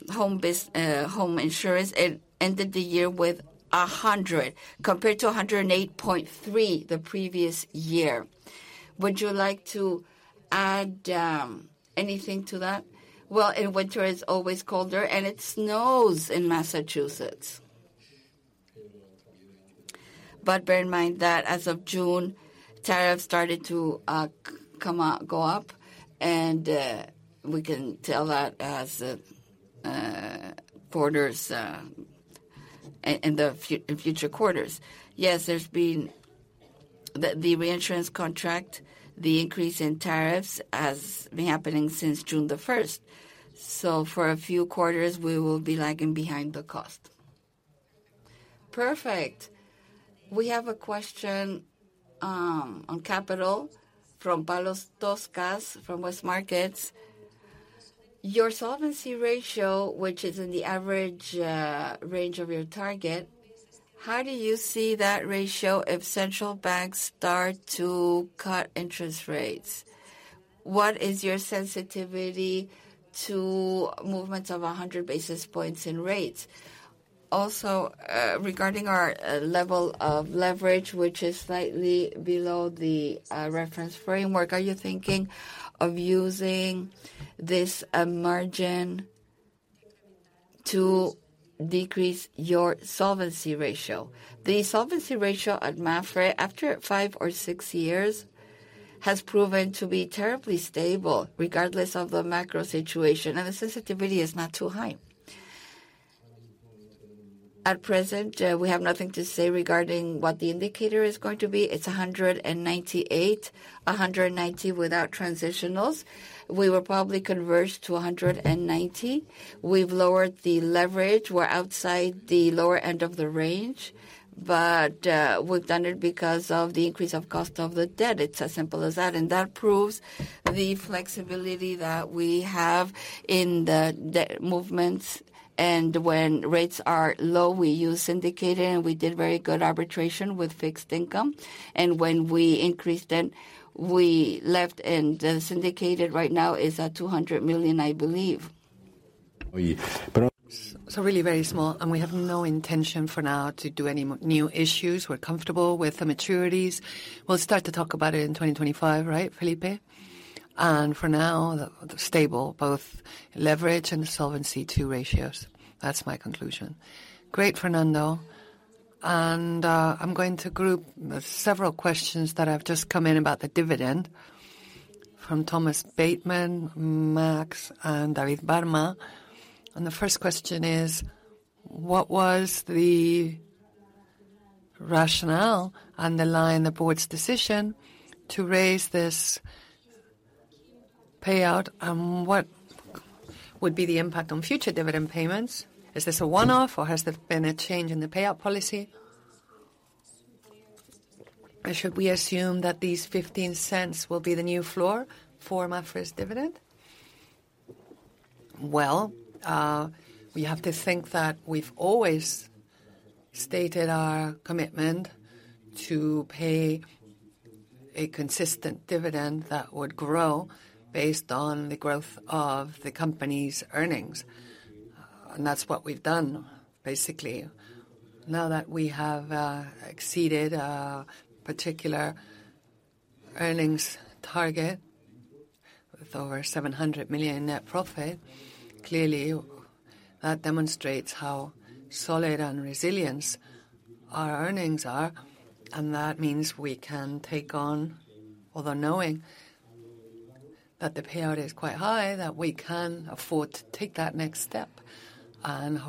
home insurance, it ended the year with 100 compared to 108.3 the previous year. Would you like to add anything to that? Well, in winter, it's always colder, and it snows in Massachusetts. But bear in mind that as of June, tariffs started to go up, and we can tell that as in the future quarters. Yes, there's been the reinsurance contract, the increase in tariffs has been happening since June 1st. So for a few quarters, we will be lagging behind the cost. Perfect. We have a question on capital from Palos Toscas from West Markets. Your solvency ratio, which is in the average range of your target, how do you see that ratio if central banks start to cut interest rates? What is your sensitivity to movements of 100 basis points in rates? Also, regarding our level of leverage, which is slightly below the reference framework, are you thinking of using this margin to decrease your solvency ratio? The solvency ratio at MAPFRE, after five or six years, has proven to be terribly stable regardless of the macro situation, and the sensitivity is not too high. At present, we have nothing to say regarding what the indicator is going to be. It's 198, 190 without transitionals. We were probably converged to 190. We've lowered the leverage. We're outside the lower end of the range, but we've done it because of the increase of cost of the debt. It's as simple as that. And that proves the flexibility that we have in the movements. And when rates are low, we use syndicated, and we did very good arbitration with fixed income. And when we increased it, we left, and the syndicated right now is at 200 million, I believe. So really very small, and we have no intention for now to do any new issues. We're comfortable with the maturities. We'll start to talk about it in 2025, right, Felipe? And for now, stable, both leverage and Solvency II ratios. That's my conclusion. Great, Fernando. And I'm going to group several questions that have just come in about the dividend from Thomas Bateman, Max, and David Barma. The first question is, what was the rationale underlying the board's decision to raise this payout, and what would be the impact on future dividend payments? Is this a one-off, or has there been a change in the payout policy? Should we assume that these 0.15 will be the new floor for MAPFRE's dividend? Well, we have to think that we've always stated our commitment to pay a consistent dividend that would grow based on the growth of the company's earnings. And that's what we've done, basically. Now that we have exceeded a particular earnings target with over 700 million net profit, clearly, that demonstrates how solid and resilient our earnings are. And that means we can take on, although knowing that the payout is quite high, that we can afford to take that next step and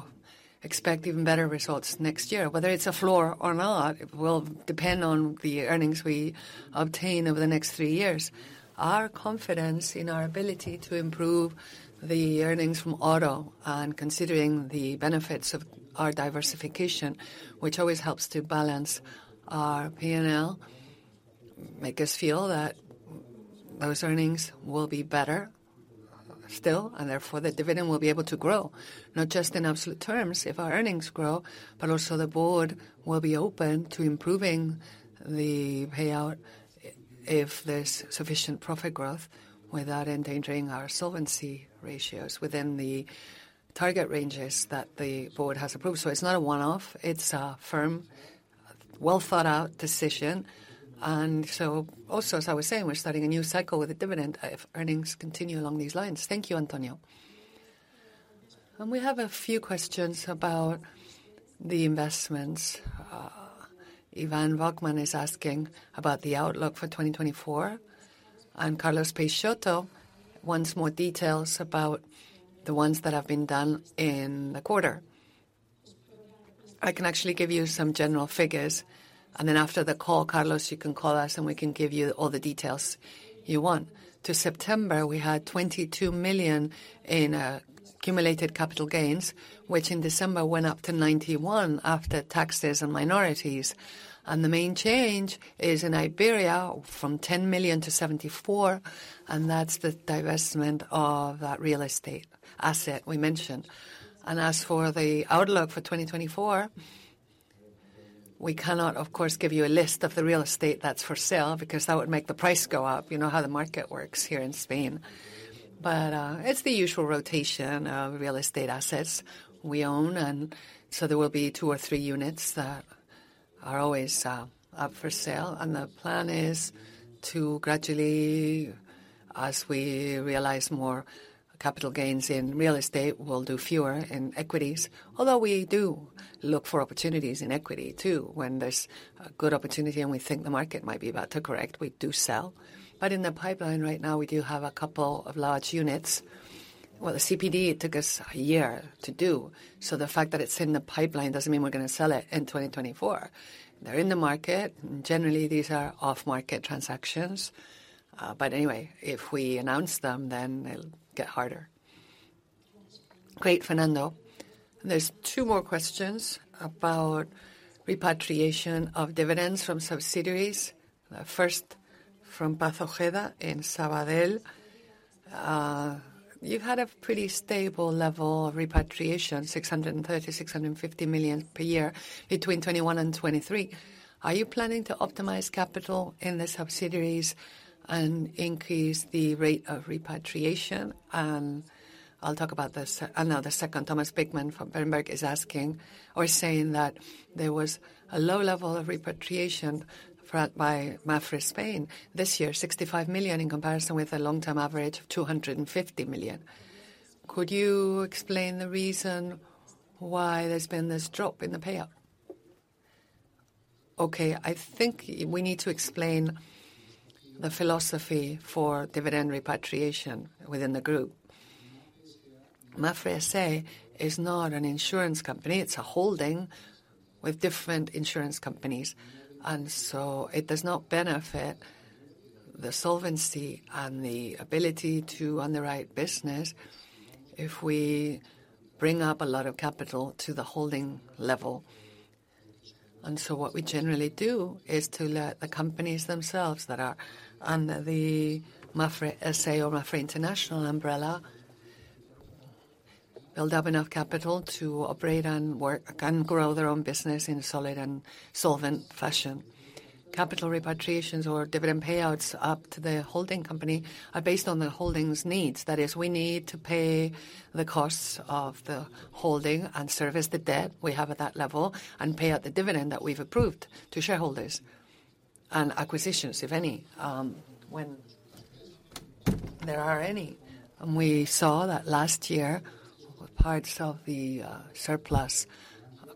expect even better results next year. Whether it's a floor or not, it will depend on the earnings we obtain over the next three years. Our confidence in our ability to improve the earnings from auto and considering the benefits of our diversification, which always helps to balance our P&L, make us feel that those earnings will be better still, and therefore, the dividend will be able to grow, not just in absolute terms if our earnings grow, but also the board will be open to improving the payout if there's sufficient profit growth without endangering our solvency ratios within the target ranges that the board has approved. So it's not a one-off. It's a firm, well-thought-out decision. And so also, as I was saying, we're starting a new cycle with a dividend if earnings continue along these lines. Thank you, Antonio. And we have a few questions about the investments. Ivan Bokhmat is asking about the outlook for 2024. Carlos Peixoto wants more details about the ones that have been done in the quarter. I can actually give you some general figures. Then after the call, Carlos, you can call us, and we can give you all the details you want. To September, we had 22 million in accumulated capital gains, which in December went up to 91 million after taxes and minorities. The main change is in Iberia from 10 million to 74 million, and that's the divestment of that real estate asset we mentioned. As for the outlook for 2024, we cannot, of course, give you a list of the real estate that's for sale because that would make the price go up. You know how the market works here in Spain. But it's the usual rotation of real estate assets we own. And so there will be two or three units that are always up for sale. And the plan is to gradually, as we realize more capital gains in real estate, we'll do fewer in equities, although we do look for opportunities in equity too. When there's a good opportunity and we think the market might be about to correct, we do sell. But in the pipeline right now, we do have a couple of large units. Well, the CPD, it took us a year to do. So the fact that it's in the pipeline doesn't mean we're going to sell it in 2024. They're in the market. Generally, these are off-market transactions. But anyway, if we announce them, then it'll get harder. Great, Fernando. There's two more questions about repatriation of dividends from subsidiaries. The first from Paz Ojeda in Sabadell. You've had a pretty stable level of repatriation, 630 million-650 million per year between 2021 and 2023. Are you planning to optimize capital in the subsidiaries and increase the rate of repatriation? I'll talk about this. Now the second, Thomas Bateman from Berenberg is asking or saying that there was a low level of repatriation by MAPFRE España this year, 65 million in comparison with a long-term average of 250 million. Could you explain the reason why there's been this drop in the payout? Okay, I think we need to explain the philosophy for dividend repatriation within the group. MAPFRE S.A. is not an insurance company. It's a holding with different insurance companies. So it does not benefit the solvency and the ability to underwrite business if we bring up a lot of capital to the holding level. What we generally do is to let the companies themselves that are under the MAPFRE S.A. or MAPFRE INTERNACIONAL umbrella build up enough capital to operate and grow their own business in a solid and solvent fashion. Capital repatriations or dividend payouts up to the holding company are based on the holding's needs. That is, we need to pay the costs of the holding and service the debt we have at that level and pay out the dividend that we've approved to shareholders and acquisitions, if any, when there are any. We saw that last year, with parts of the surplus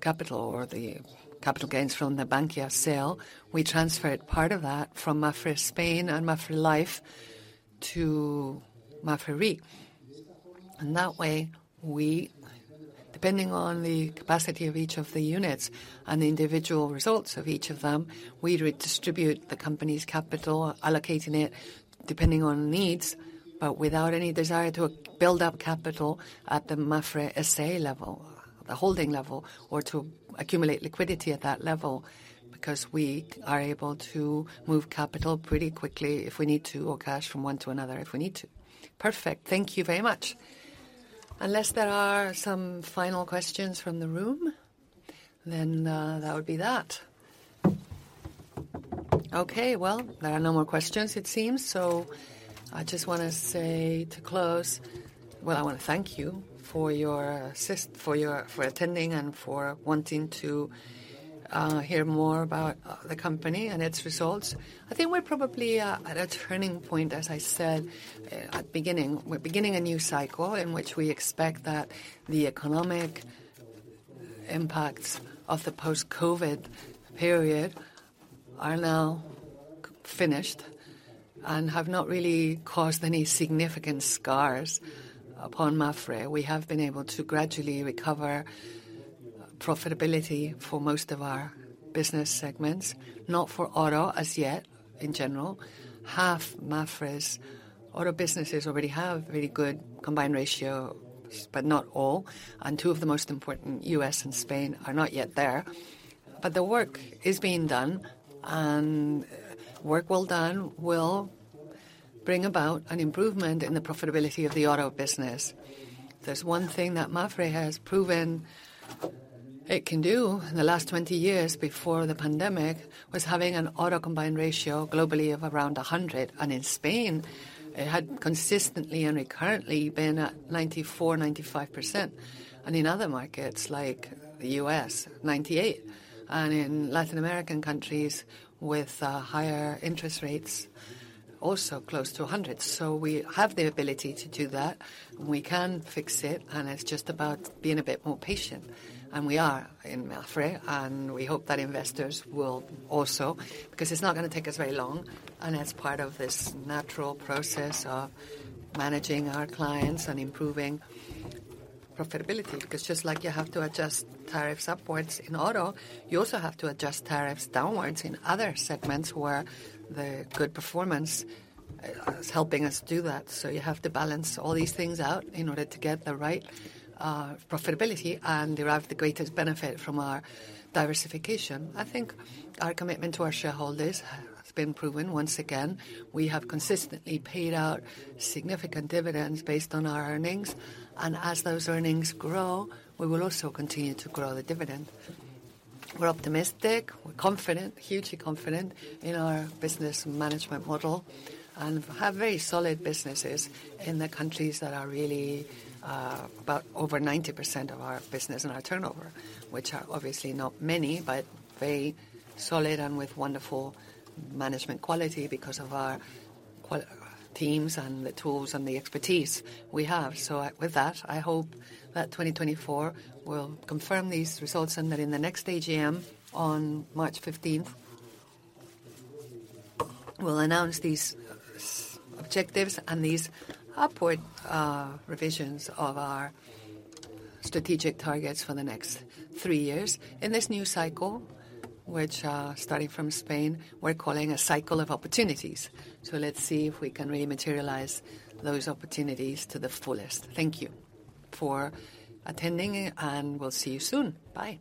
capital or the capital gains from the Bankia sale, we transferred part of that from MAPFRE ESPAÑA and MAPFRE VIDA to MAPFRE RE. That way, depending on the capacity of each of the units and the individual results of each of them, we redistribute the company's capital, allocating it depending on needs, but without any desire to build up capital at the MAPFRE S.A. level, the holding level, or to accumulate liquidity at that level because we are able to move capital pretty quickly if we need to or cash from one to another if we need to. Perfect. Thank you very much. Unless there are some final questions from the room, then that would be that. Okay, well, there are no more questions, it seems. I just want to say to close, well, I want to thank you for attending and for wanting to hear more about the company and its results. I think we're probably at a turning point, as I said at the beginning. We're beginning a new cycle in which we expect that the economic impacts of the post-COVID period are now finished and have not really caused any significant scars upon MAPFRE. We have been able to gradually recover profitability for most of our business segments, not for auto as yet, in general. Half MAPFRE's auto businesses already have a very good combined ratio, but not all. And two of the most important, U.S. and Spain, are not yet there. But the work is being done, and work well done will bring about an improvement in the profitability of the auto business. There's one thing that MAPFRE has proven it can do in the last 20 years before the pandemic was having an auto combined ratio globally of around 100. And in Spain, it had consistently and recurrently been at 94%-95%. And in other markets like the U.S., 98%. In Latin American countries with higher interest rates, also close to 100%. So we have the ability to do that. We can fix it, and it's just about being a bit more patient. We are in MAPFRE, and we hope that investors will also because it's not going to take us very long. It's part of this natural process of managing our clients and improving profitability because just like you have to adjust tariffs upwards in auto, you also have to adjust tariffs downwards in other segments where the good performance is helping us do that. So you have to balance all these things out in order to get the right profitability and derive the greatest benefit from our diversification. I think our commitment to our shareholders has been proven. Once again, we have consistently paid out significant dividends based on our earnings. As those earnings grow, we will also continue to grow the dividend. We're optimistic. We're confident, hugely confident in our business management model and have very solid businesses in the countries that are really about over 90% of our business and our turnover, which are obviously not many, but very solid and with wonderful management quality because of our teams and the tools and the expertise we have. So with that, I hope that 2024 will confirm these results and that in the next AGM on March 15th, we'll announce these objectives and these upward revisions of our strategic targets for the next three years. In this new cycle, which starting from Spain, we're calling a cycle of opportunities. So let's see if we can really materialize those opportunities to the fullest. Thank you for attending, and we'll see you soon. Bye.